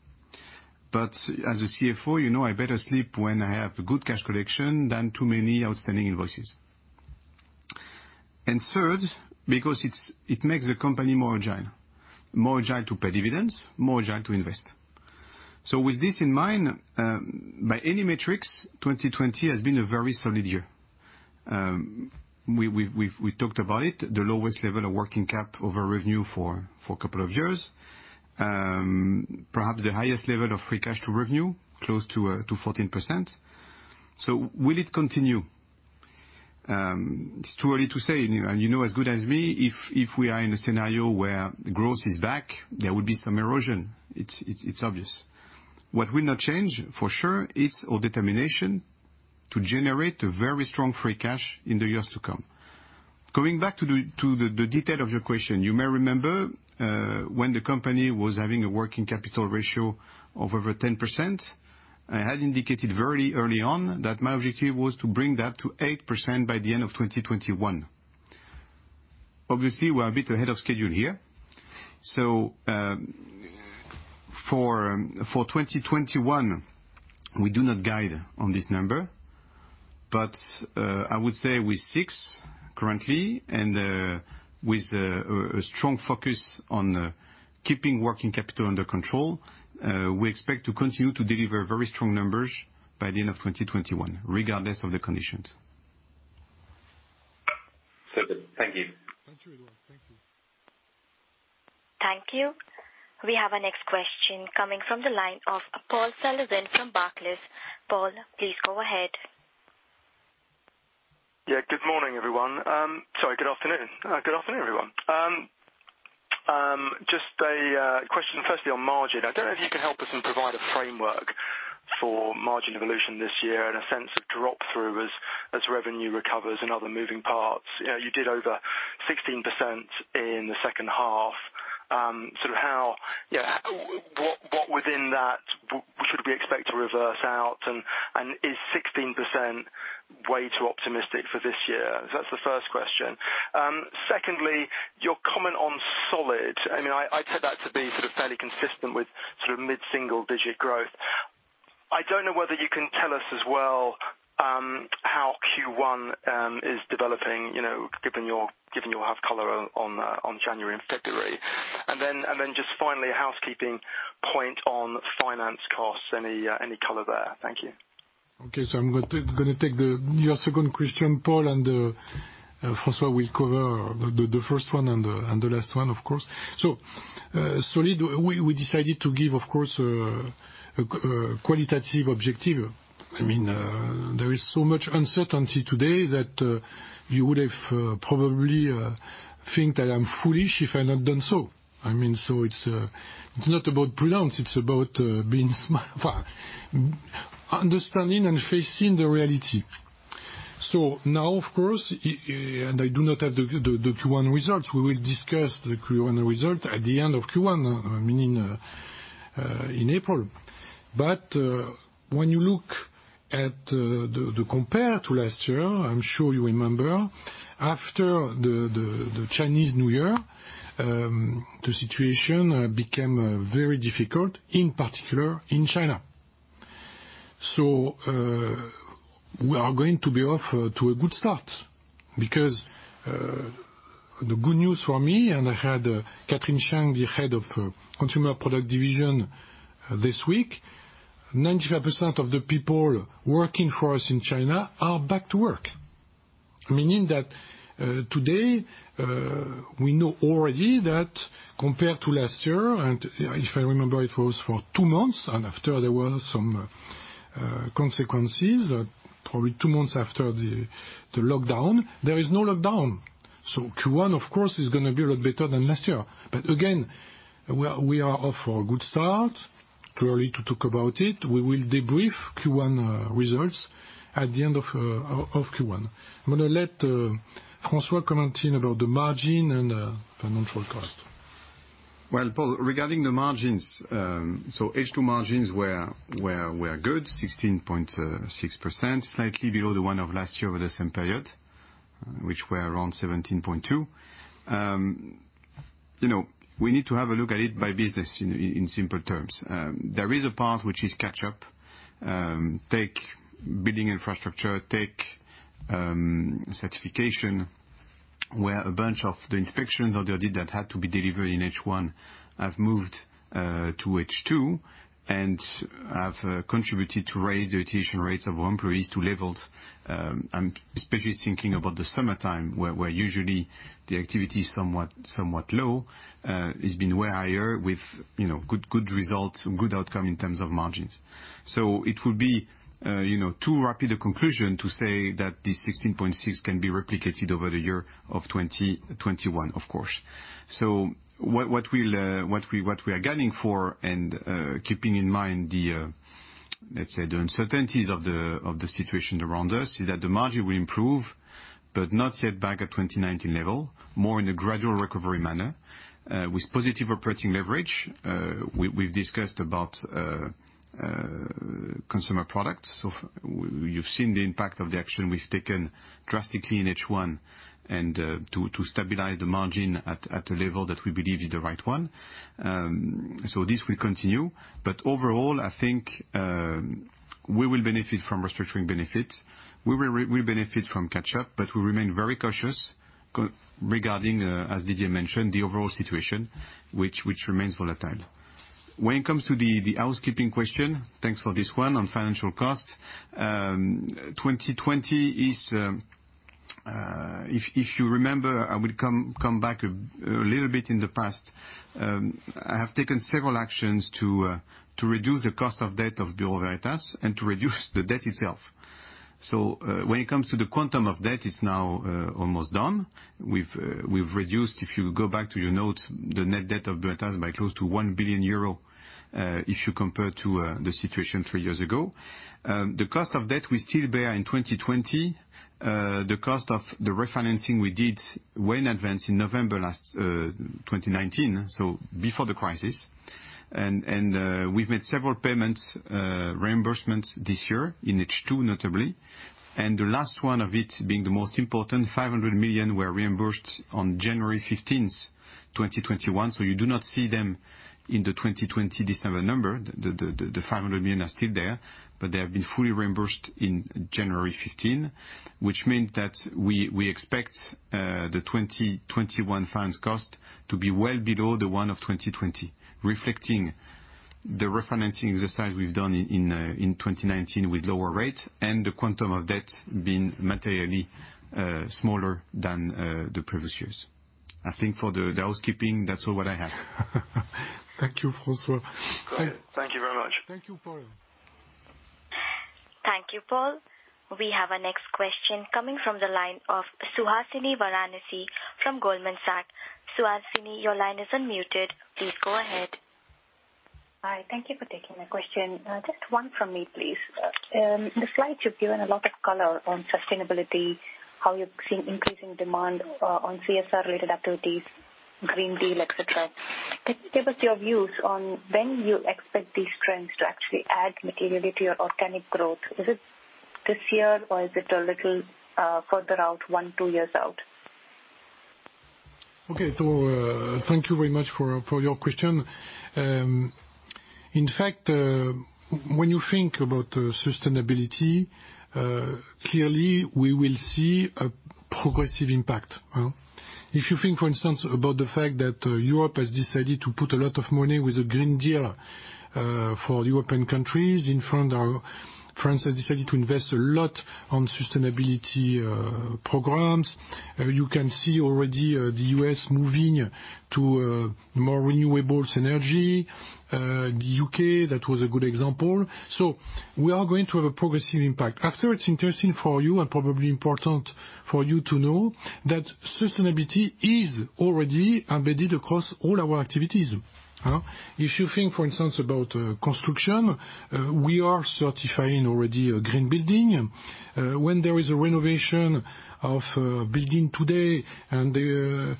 as a CFO, I better sleep when I have good cash collection than too many outstanding invoices. Third, because it makes the company more agile. More agile to pay dividends, more agile to invest. With this in mind, by any metrics, 2020 has been a very solid year. We talked about it, the lowest level of working cap over revenue for a couple of years. Perhaps the highest level of free cash to revenue, close to 14%. Will it continue? It's too early to say, and you know as good as me, if we are in a scenario where growth is back, there will be some erosion. It's obvious. What will not change, for sure, is our determination to generate a very strong free cash in the years to come. Going back to the detail of your question, you may remember, when the company was having a working capital ratio of over 10%, I had indicated very early on that my objective was to bring that to 8% by the end of 2021. Obviously, we're a bit ahead of schedule here. For 2021, we do not guide on this number. I would say with six currently, and with a strong focus on keeping working capital under control, we expect to continue to deliver very strong numbers by the end of 2021, regardless of the conditions. Super. Thank you. Thank you, Edward. Thank you. Thank you. We have our next question coming from the line of Paul Sullivan from Barclays. Paul, please go ahead. Yeah. Good morning, everyone. Sorry, good afternoon. Good afternoon, everyone. Just a question firstly on margin. I don't know if you can help us and provide a framework for margin evolution this year and a sense of drop-through as revenue recovers and other moving parts. You did over 16% in the second half. What within that should we expect to reverse out, and is 16% way too optimistic for this year? That's the first question. Secondly, your comment on solid. I take that to be fairly consistent with mid-single-digit growth. I don't know whether you can tell us as well, how Q1 is developing, given your half color on January and February. Then just finally, a housekeeping point on finance costs. Any color there? Thank you. Okay. I'm going to take your second question, Paul, and François will cover the first one and the last one, of course. Solid. We decided to give, of course, a qualitative objective. There is so much uncertainty today that you would have probably think that I'm foolish if I had not done so. It's not about prudence, it's about being smart, understanding and facing the reality. Now of course, and I do not have the Q1 results, we will discuss the Q1 result at the end of Q1, meaning, in April. When you look at the compare to last year, I'm sure you remember, after the Chinese New Year, the situation became very difficult, in particular in China. We are going to be off to a good start because, the good news for me, and I had Catherine Chen, the Head of Consumer Product Division this week. 95% of the people working for us in China are back to work. Meaning that today, we know already that compared to last year, and if I remember, it was for two months, and after there were some consequences, probably two months after the lockdown, there is no lockdown. Q1, of course, is going to be a lot better than last year. Again, we are off for a good start. Too early to talk about it. We will debrief Q1 results at the end of Q1. I'm going to let François comment about the margin and the financial cost. Well, Paul, regarding the margins. H2 margins were good, 16.6%, slightly below the one of last year over the same period, which were around 17.2%. We need to have a look at it by business, in simple terms. There is a part which is catch-up. Take Buildings & Infrastructure, take Certification, where a bunch of the inspections that they did that had to be delivered in H1 have moved to H2, and have contributed to raise the attrition rates of our employees to levels. I'm especially thinking about the summertime, where usually the activity is somewhat low. It's been way higher with good results and good outcome in terms of margins. It would be too rapid a conclusion to say that this 16.6% can be replicated over the year of 2021, of course. What we are gunning for, and keeping in mind the, let's say, the uncertainties of the situation around us, is that the margin will improve, but not yet back at 2019 level. More in a gradual recovery manner. With positive operating leverage, we've discussed about Consumer Products. You've seen the impact of the action we've taken drastically in H1, and to stabilize the margin at a level that we believe is the right one. This will continue, but overall, I think, we will benefit from restructuring benefits. We'll benefit from catch-up, but we remain very cautious regarding, as Didier mentioned, the overall situation, which remains volatile. When it comes to the housekeeping question, thanks for this one, on financial cost. 2020 is, if you remember, I will come back a little bit in the past. I have taken several actions to reduce the cost of debt of Bureau Veritas and to reduce the debt itself. When it comes to the quantum of debt, it's now almost done. We've reduced, if you go back to your notes, the net debt of Bureau Veritas by close to 1 billion euro, if you compare to the situation three years ago. The cost of debt we still bear in 2020, the cost of the refinancing we did way in advance in November 2019, so before the crisis. We've made several payments, reimbursements this year in H2 notably. The last one of it being the most important, 500 million were reimbursed on January 15th, 2021. You do not see them in the 2020 December number. The 500 million are still there, but they have been fully reimbursed on January 15, which means that we expect the 2021 finance cost to be well below the one of 2020, reflecting the refinancing exercise we've done in 2019 with lower rates and the quantum of debt being materially smaller than the previous years. I think for the housekeeping, that's all what I have. Thank you, François. Go ahead. Thank you very much. Thank you, Paul. Thank you, Paul. We have our next question coming from the line of Suhasini Varanasi from Goldman Sachs. Suhasini, your line is unmuted. Please go ahead. Hi. Thank you for taking my question. Just one from me, please. In the slides, you've given a lot of color on sustainability, how you're seeing increasing demand on CSR-related activities, Green Deal, et cetera. Can you give us your views on when you expect these trends to actually add materially to your organic growth? Is it this year, or is it a little further out, one, two years out? Okay. Thank you very much for your question. In fact, when you think about sustainability, clearly we will see a progressive impact. If you think, for instance, about the fact that Europe has decided to put a lot of money with the Green Deal for European countries. In front, France has decided to invest a lot on sustainability programs. You can see already the U.S. moving to more renewables energy. The U.K., that was a good example. We are going to have a progressive impact. After, it's interesting for you and probably important for you to know that sustainability is already embedded across all our activities. If you think, for instance, about construction, we are certifying already a green building. When there is a renovation of a building today, and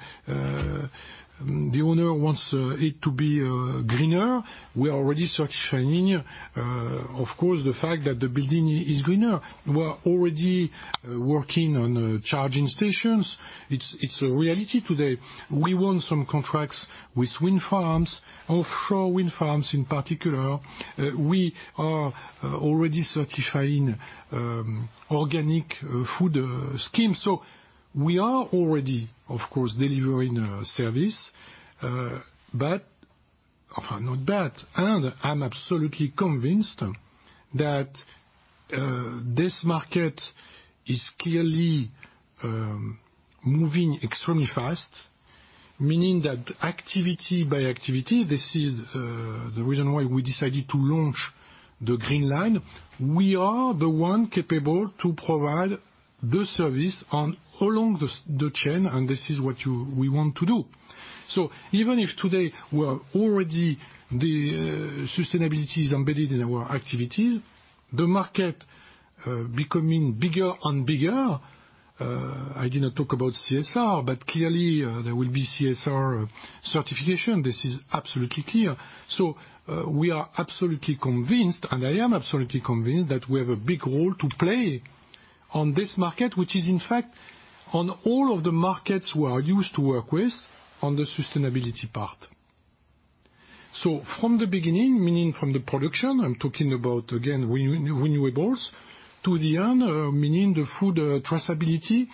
the owner wants it to be greener, we are already certifying, of course, the fact that the building is greener. We are already working on charging stations. It's a reality today. We won some contracts with wind farms, offshore wind farms in particular. We are already certifying organic food schemes. We are already, of course, delivering a service. Not bad. I'm absolutely convinced that this market is clearly moving extremely fast, meaning that activity by activity, this is the reason why we decided to launch the Green Line. We are the one capable to provide the service along the chain, and this is what we want to do. Even if today sustainability is embedded in our activities, the market becoming bigger and bigger. I did not talk about CSR, clearly there will be CSR certification. This is absolutely clear. We are absolutely convinced, and I am absolutely convinced that we have a big role to play on this market, which is, in fact, on all of the markets we are used to work with on the sustainability part. From the beginning, meaning from the production, I'm talking about, again, renewables to the end, meaning the food traceability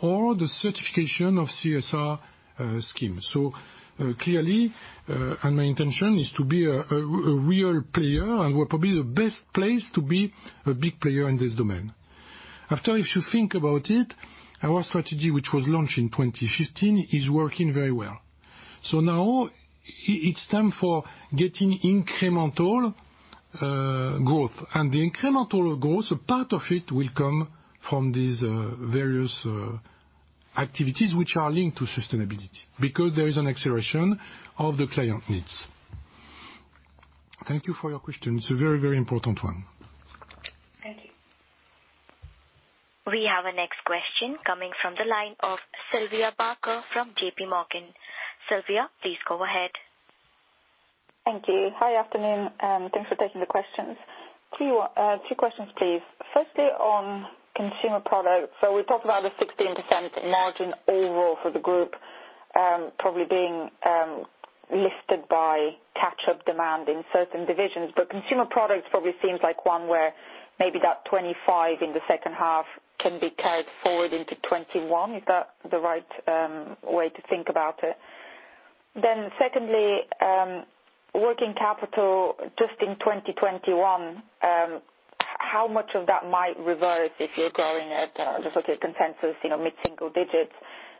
or the certification of CSR scheme. Clearly, my intention is to be a real player, and we're probably the best placed to be a big player in this domain. After, if you think about it, our strategy, which was launched in 2015, is working very well. Now it's time for getting incremental growth. The incremental growth, part of it will come from these various activities which are linked to sustainability because there is an acceleration of the client needs. Thank you for your question. It's a very important one. Thank you. We have a next question coming from the line of Sylvia Barker from JPMorgan.Sylvia, please go ahead. Thank you. Hi, afternoon. Thanks for taking the questions. Two questions, please. Firstly, on Consumer Products. We talked about a 16% margin overall for the group, probably being lifted by catch-up demand in certain divisions. Consumer Products probably seems like one where maybe that 25% in the second half can be carried forward into 2021. Is that the right way to think about it? Secondly, working capital just in 2021, how much of that might reverse if you're growing at the sort of consensus mid-single digits?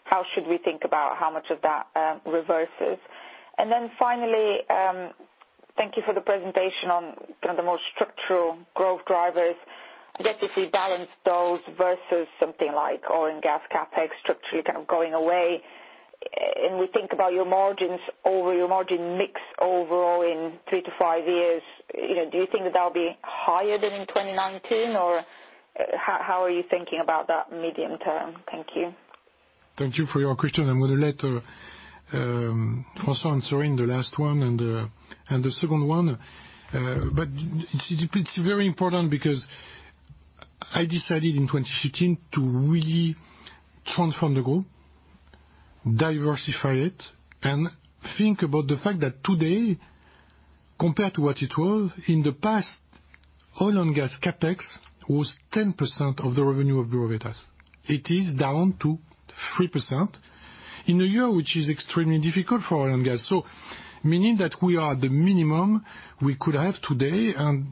How should we think about how much of that reverses? Finally, thank you for the presentation on the more structural growth drivers. I guess if we balance those versus something like oil and gas CapEx structurally kind of going away, and we think about your margins over your margin mix overall in three to five years, do you think that that'll be higher than in 2019, or how are you thinking about that medium term? Thank you. Thank you for your question. I'm going to let François answer in the last one and the second one. It's very important because I decided in 2015 to really transform the group, diversify it, and think about the fact that today, compared to what it was in the past, oil and gas CapEx was 10% of the revenue of Bureau Veritas. It is down to 3% in a year, which is extremely difficult for oil and gas. Meaning that we are at the minimum we could have today, and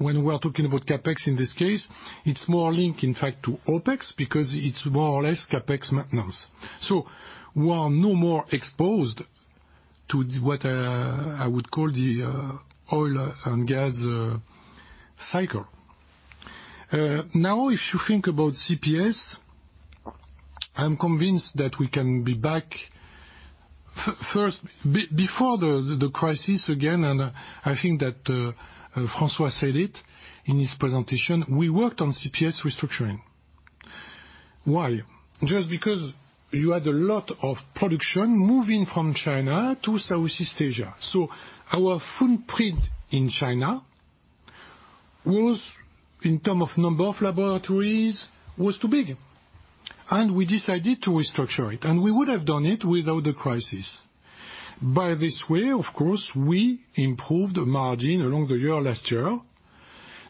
when we're talking about CapEx, in this case, it's more linked, in fact, to OpEx because it's more or less CapEx maintenance. We are no more exposed to what I would call the oil and gas cycle. Now, if you think about CPS, I'm convinced that we can be back first. Before the crisis, again, I think that François said it in his presentation, we worked on CPS restructuring. Why? Just because you had a lot of production moving from China to Southeast Asia. Our footprint in China, in term of number of laboratories, was too big, we decided to restructure it, we would have done it without the crisis. By this way, of course, we improved margin along the year last year.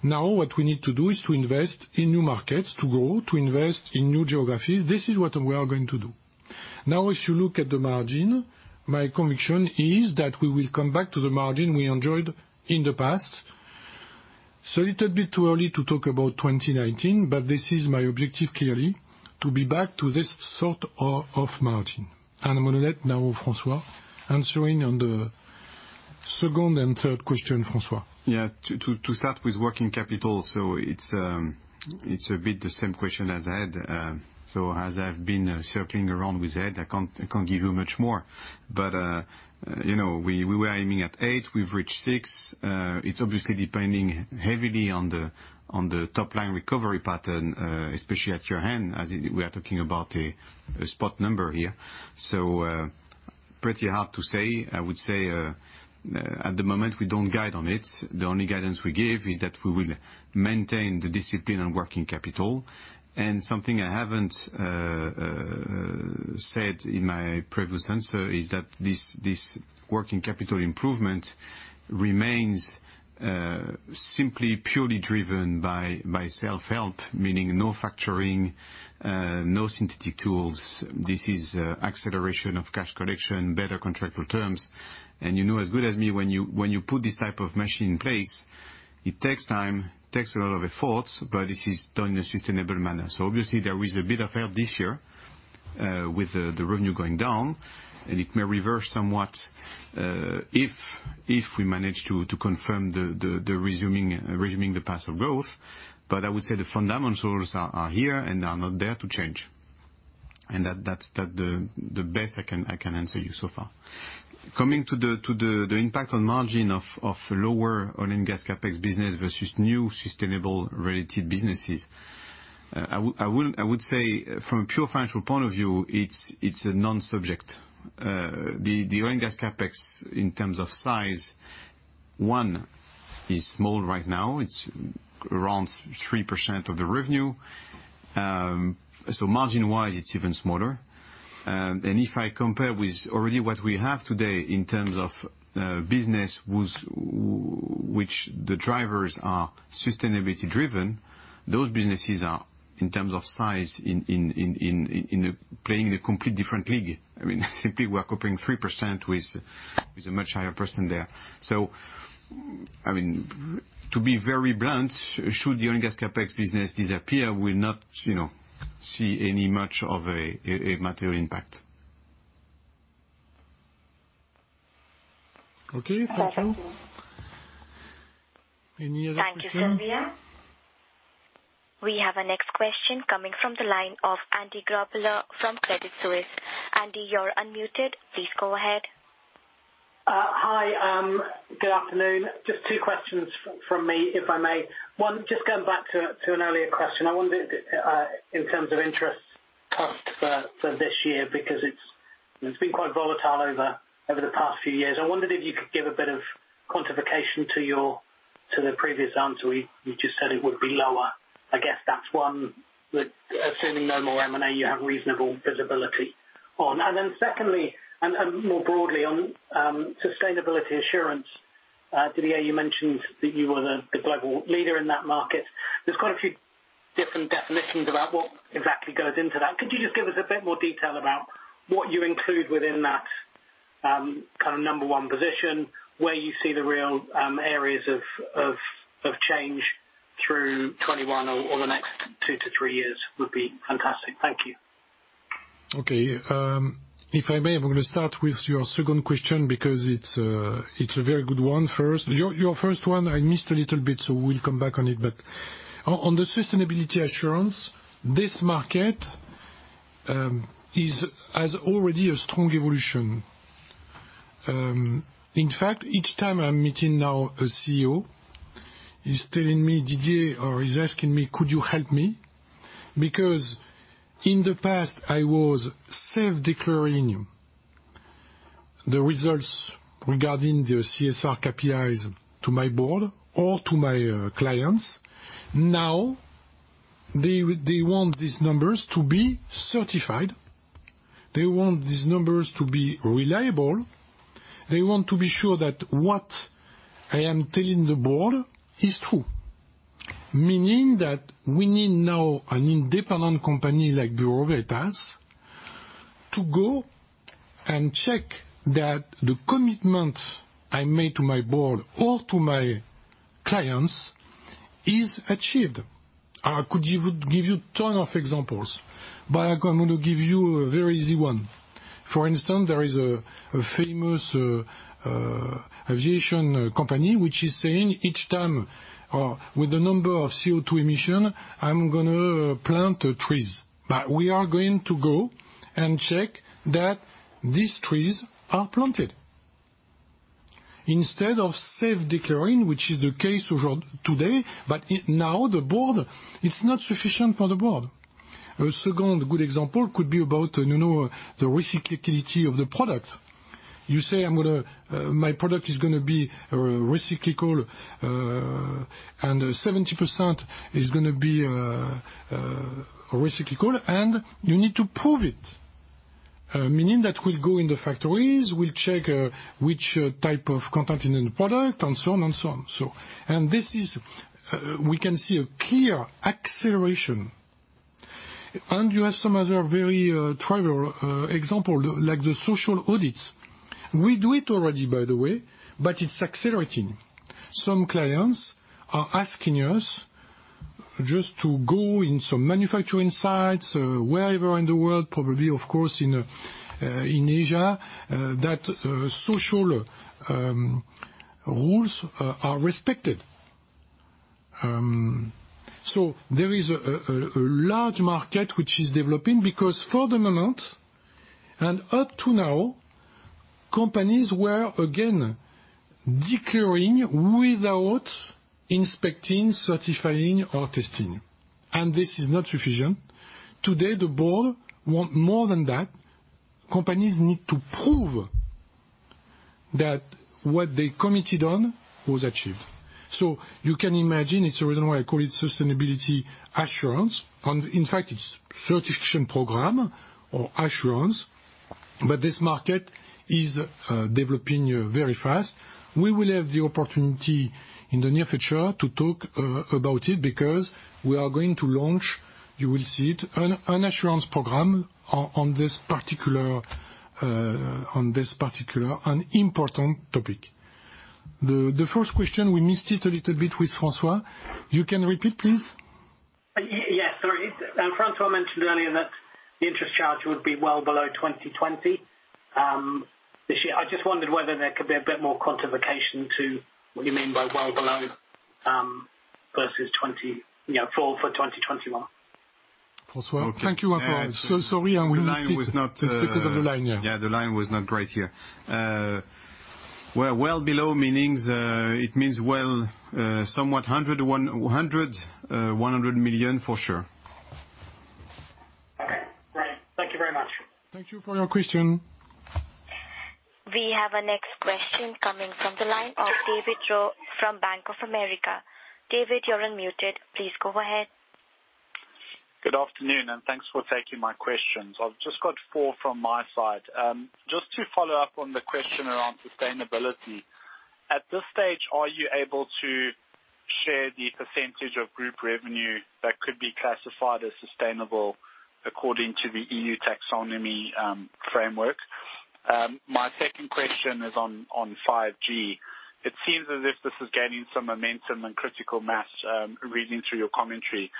Now what we need to do is to invest in new markets to grow, to invest in new geographies. This is what we are going to do. Now, if you look at the margin, my conviction is that we will come back to the margin we enjoyed in the past. A little bit too early to talk about 2019, this is my objective, clearly, to be back to this sort of margin. I'm going to let now François answering on the second and third question, François. Yeah. To start with working capital. It's a bit the same question as Ed. As I've been circling around with Ed, I can't give you much more. We were aiming at eight, we've reached six. It's obviously depending heavily on the top line recovery pattern, especially at your end, as we are talking about a spot number here. Pretty hard to say. I would say at the moment, we don't guide on it. The only guidance we give is that we will maintain the discipline on working capital. Something I haven't said in my previous answer is that this working capital improvement remains simply purely driven by self-help, meaning no factoring, no synthetic tools. This is acceleration of cash collection, better contractual terms. You know as good as me, when you put this type of machine in place, it takes time, takes a lot of efforts, but this is done in a sustainable manner. Obviously there is a bit of help this year with the revenue going down, and it may reverse somewhat if we manage to confirm the resuming the path of growth. I would say the fundamentals are here and are not there to change, and that's the best I can answer you so far. Coming to the impact on margin of lower oil and gas CapEx business versus new sustainable related businesses. I would say from a pure financial point of view, it's a non-subject. The oil and gas CapEx in terms of size, one, is small right now. It's around 3% of the revenue. Margin-wise, it's even smaller. If I compare with already what we have today in terms of business which the drivers are sustainability driven, those businesses are, in terms of size, playing a complete different league. Simply, we're comparing 3% with a much higher percent there. To be very blunt, should the oil and gas CapEx business disappear, we'll not see any much of a material impact. Okay. Thank you. Thank you. Any other question? Thank you, Sylvia. We have our next question coming from the line of Andy Grobler from Credit Suisse. Andy, you're unmuted. Please go ahead. Hi. Good afternoon. Just two questions from me, if I may. One, just going back to an earlier question. I wondered in terms of interest cost for this year, because it's been quite volatile over the past few years. I wondered if you could give a bit of quantification to the previous answer. You just said it would be lower. I guess that's one that assuming no more M&A, you have reasonable visibility on. Secondly, and more broadly on sustainability assurance. Didier, you mentioned that you were the global leader in that market. There's quite a few different definitions about what exactly goes into that. Could you just give us a bit more detail about what you include within that kind of number one position, where you see the real areas of change through 2021 or the next two to three years would be fantastic. Thank you. Okay. If I may, I am going to start with your second question because it is a very good one first. Your first one I missed a little bit, we will come back on it. On the sustainability assurance, this market has already a strong evolution. In fact, each time I am meeting now a CEO, he is telling me, "Didier," or he is asking me, "Could you help me?" In the past I was self-declaring the results regarding the CSR KPIs to my board or to my clients. Now they want these numbers to be certified. They want these numbers to be reliable. They want to be sure that what I am telling the board is true. Meaning that we need now an independent company like Bureau Veritas to go and check that the commitment I made to my board or to my clients is achieved. I could give you ton of examples, but I'm going to give you a very easy one. For instance, there is a famous aviation company which is saying, "Each time with the number of CO2 emission, I'm going to plant trees." We are going to go and check that these trees are planted. Instead of self-declaring, which is the case of today. Now it's not sufficient for the board. A second good example could be about the recyclability of the product. You say, "My product is going to be recyclable and 70% is going to be recyclable," and you need to prove it. Meaning that we'll go in the factories, we'll check which type of content in the product and so on, and so on. This is, we can see a clear acceleration. You have some other very trivial example, like the social audits. We do it already, by the way, but it's accelerating. Some clients are asking us just to go in some manufacturing sites wherever in the world, probably, of course, in Asia, that social rules are respected. There is a large market which is developing because for the moment and up to now, companies were again declaring without inspecting, certifying or testing, and this is not sufficient. Today, the board want more than that. Companies need to prove that what they committed on was achieved. You can imagine it's the reason why I call it sustainability assurance. In fact, it's certification program or assurance. This market is developing very fast. We will have the opportunity in the near future to talk about it because we are going to launch, you will see it, an assurance program on this particular and important topic. The first question, we missed it a little bit with François. You can repeat, please? Yes, sorry. François mentioned earlier that the interest charge would be well below 2020. This year, I just wondered whether there could be a bit more quantification to what you mean by well below, versus fall for 2021. François? Thank you. Okay. Sorry, we missed it. Just because of the line, yeah. Yeah, the line was not great here. Well below, it means somewhat 100 million for sure. Okay, great. Thank you very much. Thank you for your question. We have our next question coming from the line of David Roux from Bank of America. David, you're unmuted. Please go ahead. Good afternoon. Thanks for taking my questions. I've just got four from my side. Just to follow up on the question around sustainability. At this stage, are you able to share the percentage of group revenue that could be classified as sustainable according to the EU Taxonomy framework? My second question is on 5G. It seems as if this is gaining some momentum and critical mass, reading through your commentary.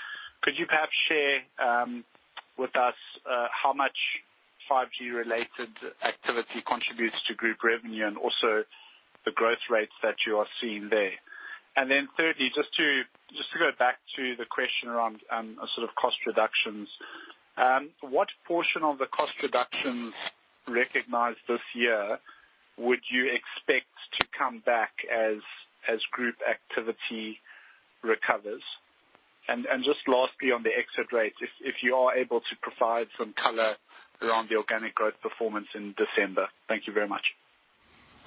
Could you perhaps share with us how much 5G-related activity contributes to group revenue, and also the growth rates that you are seeing there? Thirdly, just to go back to the question around cost reductions. What portion of the cost reductions recognized this year would you expect to come back as group activity recovers? Lastly, on the exit rates, if you are able to provide some color around the organic growth performance in December. Thank you very much.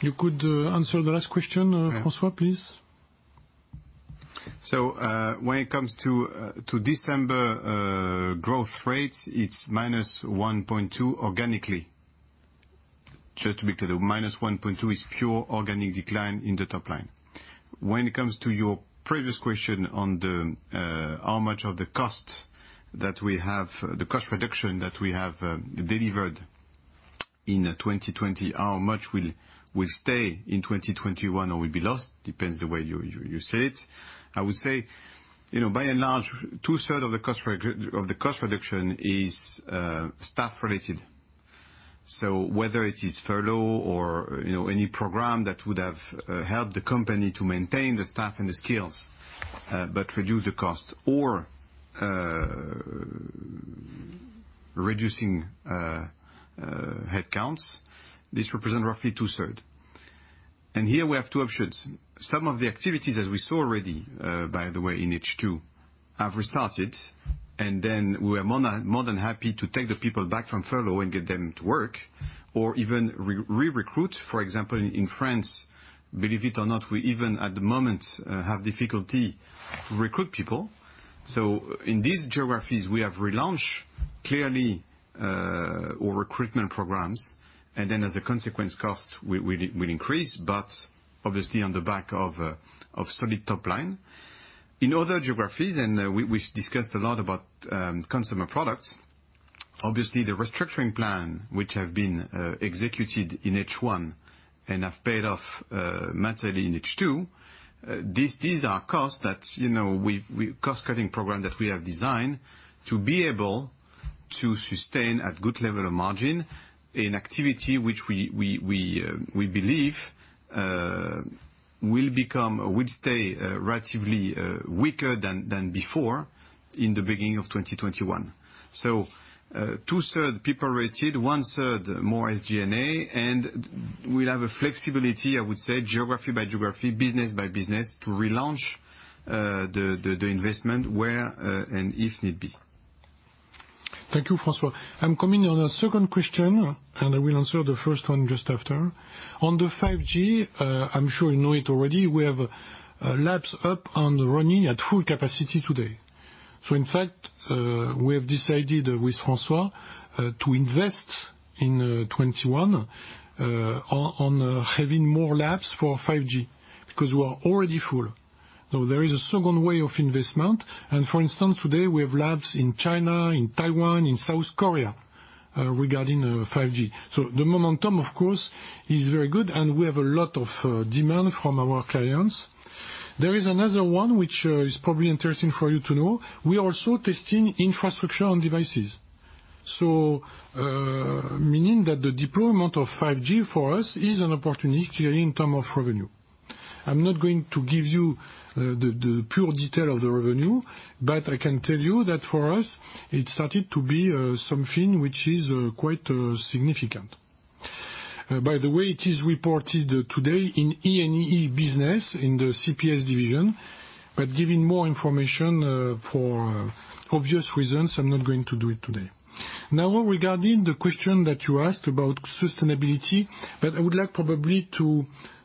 You could answer the last question, François, please. When it comes to December growth rates, it's -1.2% organically. Just to be clear, the -1.2% is pure organic decline in the top line. When it comes to your previous question on how much of the cost reduction that we have delivered in 2020, how much will stay in 2021 or will be lost, depends on the way you say it. I would say, by and large, two-thirds of the cost reduction is staff-related. Whether it is furlough or any program that would have helped the company to maintain the staff and the skills, but reduce the cost or reducing headcounts, this represents roughly two-thirds. Here we have two options. Some of the activities, as we saw already, by the way, in H2, have restarted, and then we are more than happy to take the people back from furlough and get them to work, or even re-recruit. For example, in France, believe it or not, we even at the moment, have difficulty to recruit people. In these geographies, we have relaunched, clearly, our recruitment programs. As a consequence, cost will increase, but obviously on the back of solid top line. In other geographies, and we discussed a lot about Consumer Products, obviously the restructuring plan, which have been executed in H1 and have paid off materially in H2, these are cost-cutting program that we have designed to be able to sustain at good level of margin in activity, which we believe will stay relatively weaker than before in the beginning of 2021. Two-third people related, one-third more SG&A, and we'll have a flexibility, I would say, geography by geography, business by business, to relaunch the investment where and if need be. Thank you, François. I'm coming on a second question, and I will answer the first one just after. On the 5G, I'm sure you know it already. We have labs up and running at full capacity today. In fact, we have decided with François, to invest in 2021 on having more labs for 5G, because we are already full. There is a second way of investment. For instance, today we have labs in China, in Taiwan, in South Korea, regarding 5G. The momentum, of course, is very good, and we have a lot of demand from our clients. There is another one which is probably interesting for you to know. We are also testing infrastructure on devices. Meaning that the deployment of 5G for us is an opportunity in terms of revenue. I'm not going to give you the pure detail of the revenue, but I can tell you that for us, it started to be something which is quite significant. By the way, it is reported today in E&E business in the CPS division, but giving more information for obvious reasons, I'm not going to do it today. Regarding the question that you asked about sustainability, but I would like probably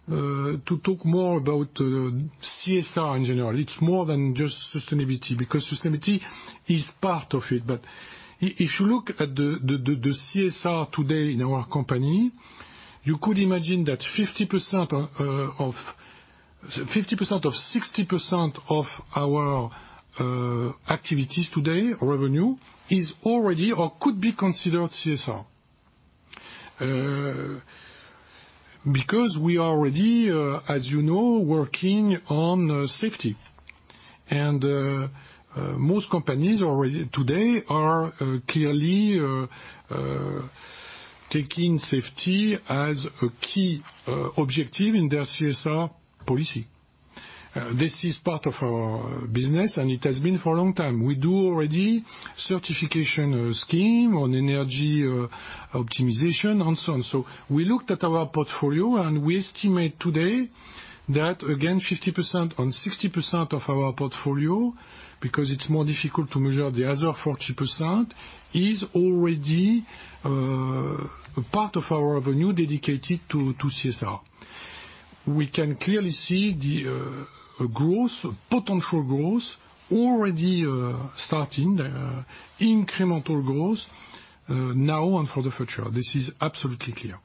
to talk more about CSR in general. It's more than just sustainability, because sustainability is part of it. If you look at the CSR today in our company, you could imagine that 50% or 60% of our activities today, revenue, is already or could be considered CSR. We are already, as you know, working on safety. Most companies today are clearly taking safety as a key objective in their CSR policy. This is part of our business, and it has been for a long time. We do already Certification scheme on energy optimization, and so on. We looked at our portfolio, and we estimate today that again, 50% or 60% of our portfolio, because it's more difficult to measure the other 40%, is already part of our revenue dedicated to CSR. We can clearly see the potential growth already starting, the incremental growth now and for the future. This is absolutely clear.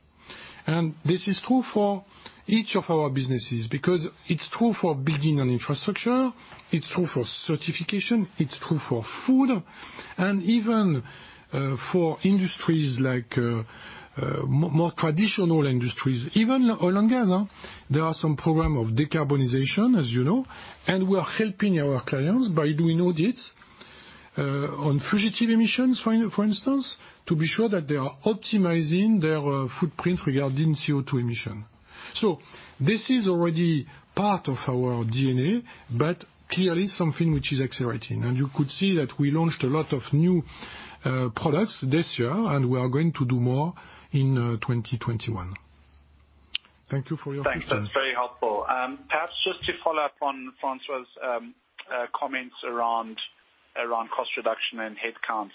This is true for each of our businesses because it's true for Buildings & Infrastructure, it's true for Certification, it's true for Food, and even for more traditional industries. Even oil and gas, there are some program of decarbonization, as you know. We are helping our clients by doing audits on fugitive emissions, for instance, to be sure that they are optimizing their footprint regarding CO2 emission. This is already part of our DNA, but clearly something which is accelerating. You could see that we launched a lot of new products this year, and we are going to do more in 2021. Thank you for your question. Thanks. That's very helpful. Perhaps just to follow up on François' comments around cost reduction and headcounts.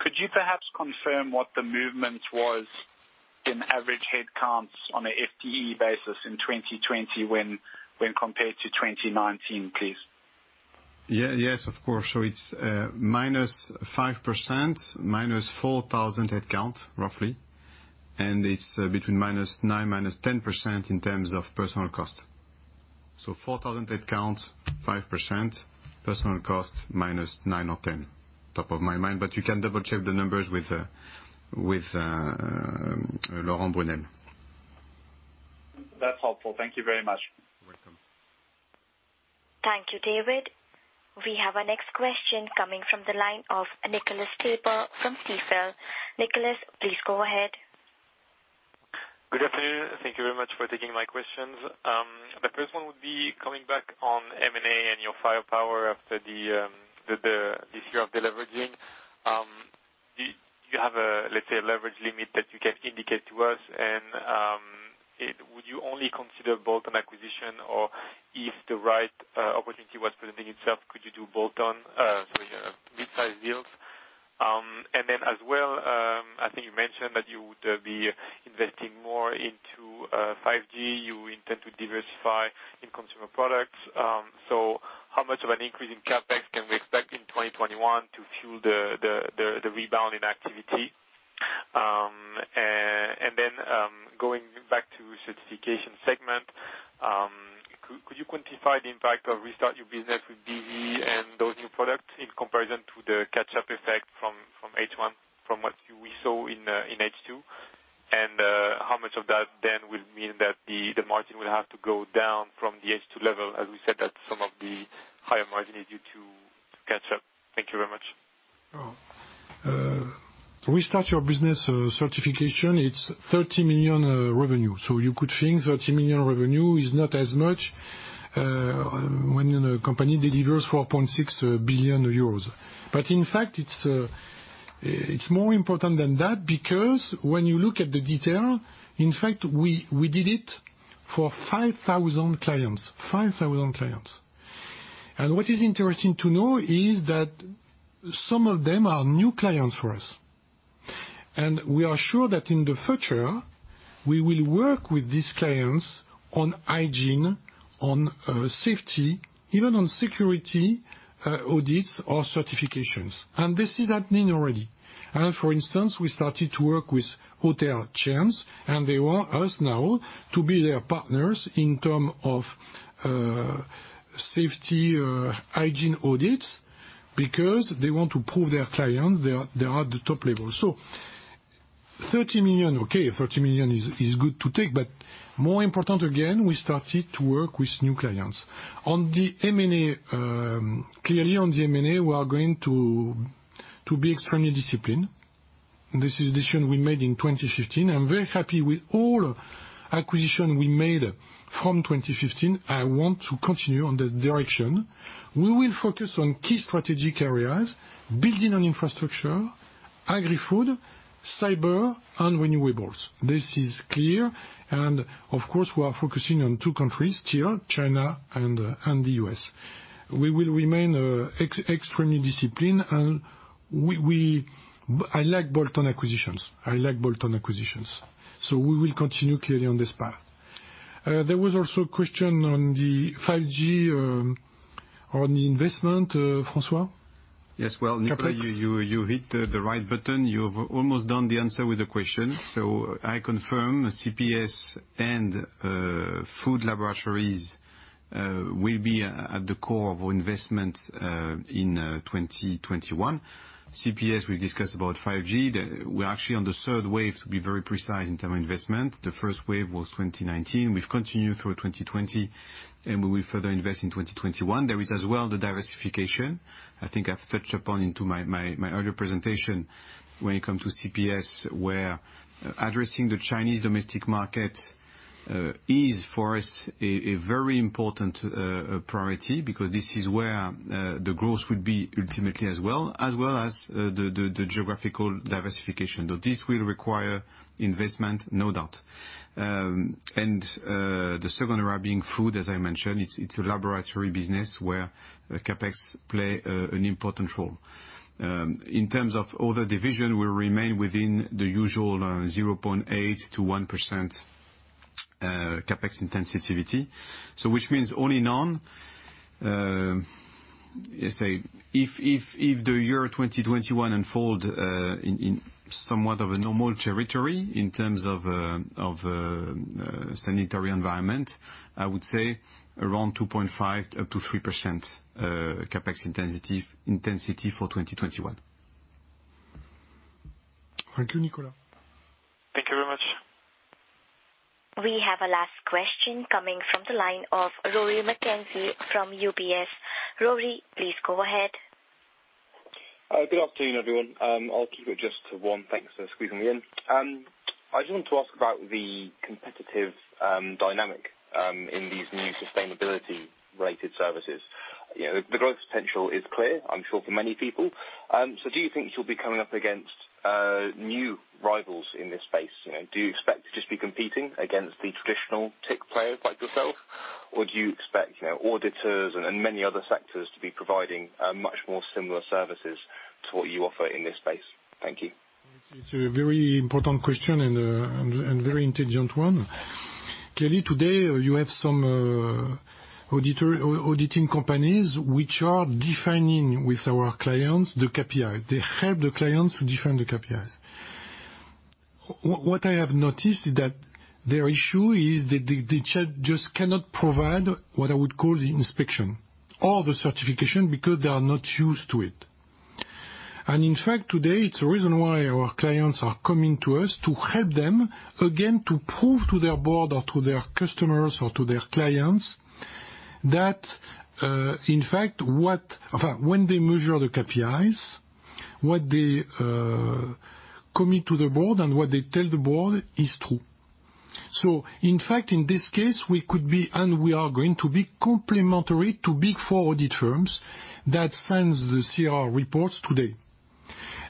Could you perhaps confirm what the movement was in average headcounts on a FTE basis in 2020 when compared to 2019, please? Yes, of course. It's -5%, -4,000 headcount roughly, and it's between -9%, -10% in terms of personal cost. 4,000 headcount, 5%, personal cost -9% or -10%. Top of my mind, you can double-check the numbers with Laurent Brunelle. That's helpful. Thank you very much. Welcome. Thank you, David. We have our next question coming from the line of Nicolas Tabor from Stifel. Nicolas, please go ahead. Good afternoon. Thank you very much for taking my questions. The first one would be coming back on M&A and your firepower after this year of deleveraging. Do you have a leverage limit that you can indicate to us? Would you only consider bolt-on acquisition or if the right opportunity was presenting itself, could you do bolt-on midsize deals? I think you mentioned that you would be investing more into 5G. You intend to diversify in consumer products. How much of an increase in CapEx can we expect in 2021 to fuel the rebound in activity? Going back to Certification segment, could you quantify the impact of Restart Your Business with BV and those new products in comparison to the catch-up effect from H1, from what we saw in H2? How much of that then will mean that the margin will have to go down from the H2 level, as we said that some of the higher margin is due to catch-up? Thank you very much. Restart Your Business certification, it's 30 million revenue. You could think 30 million revenue is not as much when a company delivers 4.6 billion euros. In fact, it's more important than that because when you look at the detail, in fact, we did it for 5,000 clients. 5,000 clients. What is interesting to know is that some of them are new clients for us. We are sure that in the future, we will work with these clients on hygiene, on safety, even on security audits or certifications. This is happening already. For instance, we started to work with hotel chains, and they want us now to be their partners in term of safety hygiene audits because they want to prove their clients they are the top level. 30 million, okay, 30 million is good to take, but more important, again, we started to work with new clients. Clearly on the M&A, we are going to be extremely disciplined. This is decision we made in 2015. I am very happy with all acquisition we made from 2015. I want to continue on this direction. We will focus on key strategic areas, Buildings & Infrastructure, Agri-Food, cyber, and renewables. This is clear, and of course, we are focusing on two countries still, China and the U.S. We will remain extremely disciplined, and I like bolt-on acquisitions. I like bolt-on acquisitions. We will continue clearly on this path. There was also a question on the 5G, on the investment, François? Well, Nico, you hit the right button. You've almost done the answer with the question. I confirm CPS and food laboratories will be at the core of investment in 2021. CPS, we've discussed about 5G. We're actually on the third wave, to be very precise, in term of investment. The first wave was 2019. We've continued through 2020, and we will further invest in 2021. There is as well the diversification. I think I've touched upon into my earlier presentation when it comes to CPS, where addressing the Chinese domestic market is for us a very important priority, because this is where the growth will be ultimately as well. As well as the geographical diversification. This will require investment, no doubt. The second area being food, as I mentioned, it's a laboratory business where CapEx play an important role. In terms of other division will remain within the usual 0.8% to 1% CapEx intensity. Which means all in all, if the year 2021 unfold in somewhat of a normal territory in terms of sanitary environment, I would say around 2.5% up to 3% CapEx intensity for 2021. Thank you, Nicolas. Thank you very much. We have a last question coming from the line of Rory McKenzie from UBS. Rory, please go ahead. Good afternoon, everyone. I'll keep it just to one. Thanks for squeezing me in. I just want to ask about the competitive dynamic in these new sustainability-related services. The growth potential is clear, I'm sure, for many people. Do you think you'll be coming up against new rivals in this space? Do you expect to just be competing against the traditional tech players like yourself, or do you expect auditors and many other sectors to be providing much more similar services to what you offer in this space? Thank you. It's a very important question and very intelligent one. Today, you have some auditing companies which are defining with our clients the KPIs. They help the clients to define the KPIs. What I have noticed is that their issue is that they just cannot provide what I would call the inspection or the Certification because they are not used to it. In fact, today, it's the reason why our clients are coming to us to help them, again, to prove to their board or to their customers or to their clients that, in fact, when they measure the KPIs, what they commit to the board and what they tell the board is true. In fact, in this case, we could be, and we are going to be complementary to Big Four audit firms that signs the CSR reports today.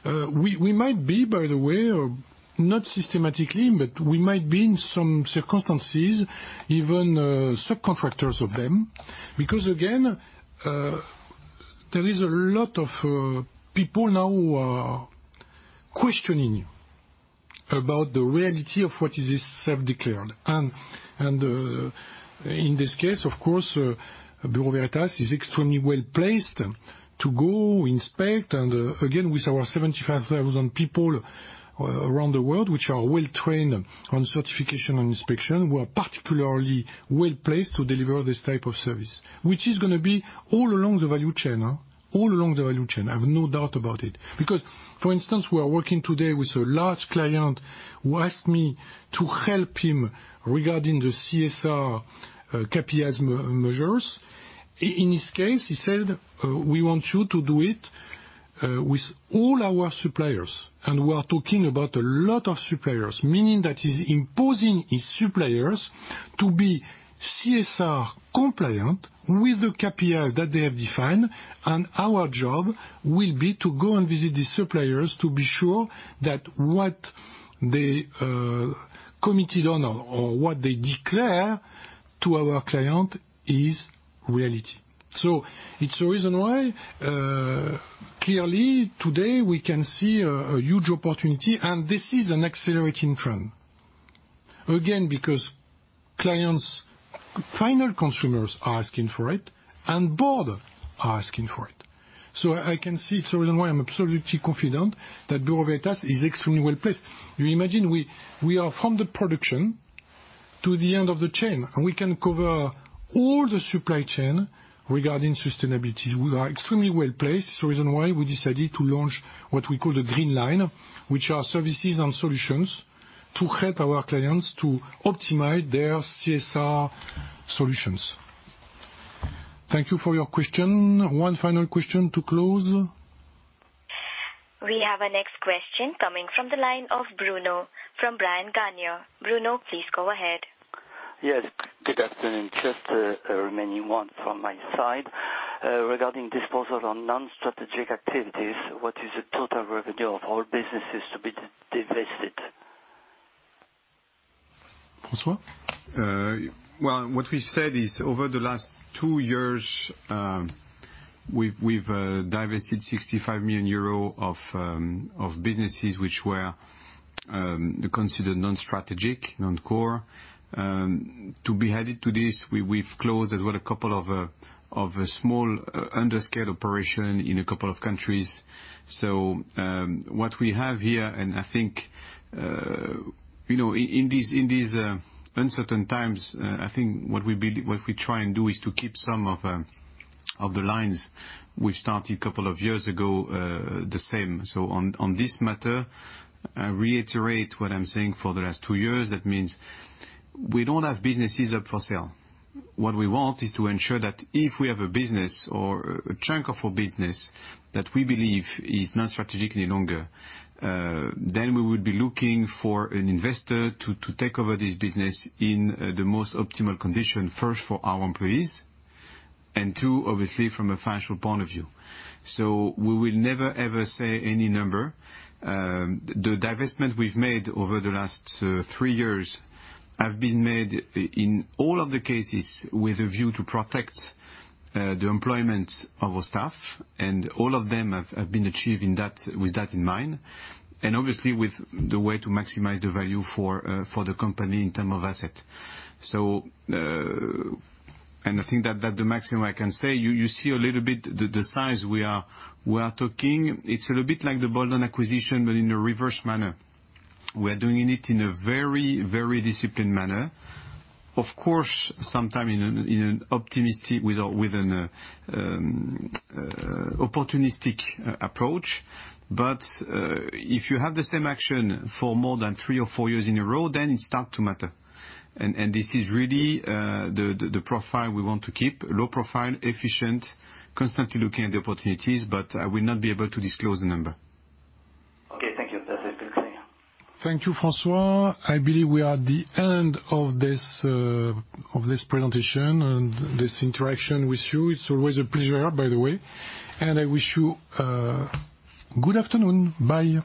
We might be, by the way, not systematically, but we might be in some circumstances, even subcontractors of them, because, again, there is a lot of people now who are questioning about the reality of what is this self-declared. In this case, of course, Bureau Veritas is extremely well-placed to go inspect. Again, with our 75,000 people around the world, which are well trained on certification and inspection. We are particularly well-placed to deliver this type of service, which is going to be all along the value chain. I have no doubt about it. For instance, we are working today with a large client who asked me to help him regarding the CSR KPIs measures. In his case, he said, "We want you to do it with all our suppliers." We are talking about a lot of suppliers, meaning that he's imposing his suppliers to be CSR compliant with the KPIs that they have defined, and our job will be to go and visit these suppliers to be sure that what they committed on or what they declare to our client is reality. It's the reason why, clearly, today, we can see a huge opportunity, and this is an accelerating trend. Because clients, final consumers are asking for it, and boards are asking for it. I can see it's the reason why I'm absolutely confident that Bureau Veritas is extremely well-placed. You imagine we are from the production to the end of the chain, and we can cover all the supply chain regarding sustainability. We are extremely well-placed. It's the reason why we decided to launch what we call the Green Line, which are services and solutions to help our clients to optimize their CSR solutions. Thank you for your question. One final question to close. We have our next question coming from the line of Bruno from Bryan Garnier. Bruno, please go ahead. Yes. Good afternoon. Just remaining one from my side. Regarding disposals on non-strategic activities, what is the total revenue of all businesses to be divested? François? Well, what we've said is over the last two years, we've divested 65 million euro of businesses which were non-strategic, non-core. To be added to this, we've closed as well a couple of small under-scale operation in a couple of countries. What we have here, I think, in these uncertain times, I think what we try and do is to keep some of the lines we started a couple of years ago the same. On this matter, I reiterate what I'm saying for the last two years. That means we don't have businesses up for sale. What we want is to ensure that if we have a business or a chunk of a business that we believe is not strategic any longer, then we would be looking for an investor to take over this business in the most optimal condition, first for our employees, and two, obviously from a financial point of view. We will never, ever say any number. The divestment we've made over the last three years have been made in all of the cases with a view to protect the employment of our staff, and all of them have been achieved with that in mind, and obviously with the way to maximize the value for the company in term of asset. I think that the maximum I can say, you see a little bit the size we are talking. It's a little bit like the bolt-on acquisition, but in a reverse manner. We are doing it in a very disciplined manner. Of course, sometime with an opportunistic approach. If you have the same action for more than three or four years in a row, then it start to matter. This is really the profile we want to keep, low profile, efficient, constantly looking at the opportunities. I will not be able to disclose the number. Okay, thank you. That's it. Good day. Thank you, François. I believe we are at the end of this presentation and this interaction with you. It's always a pleasure, by the way. I wish you a good afternoon. Bye.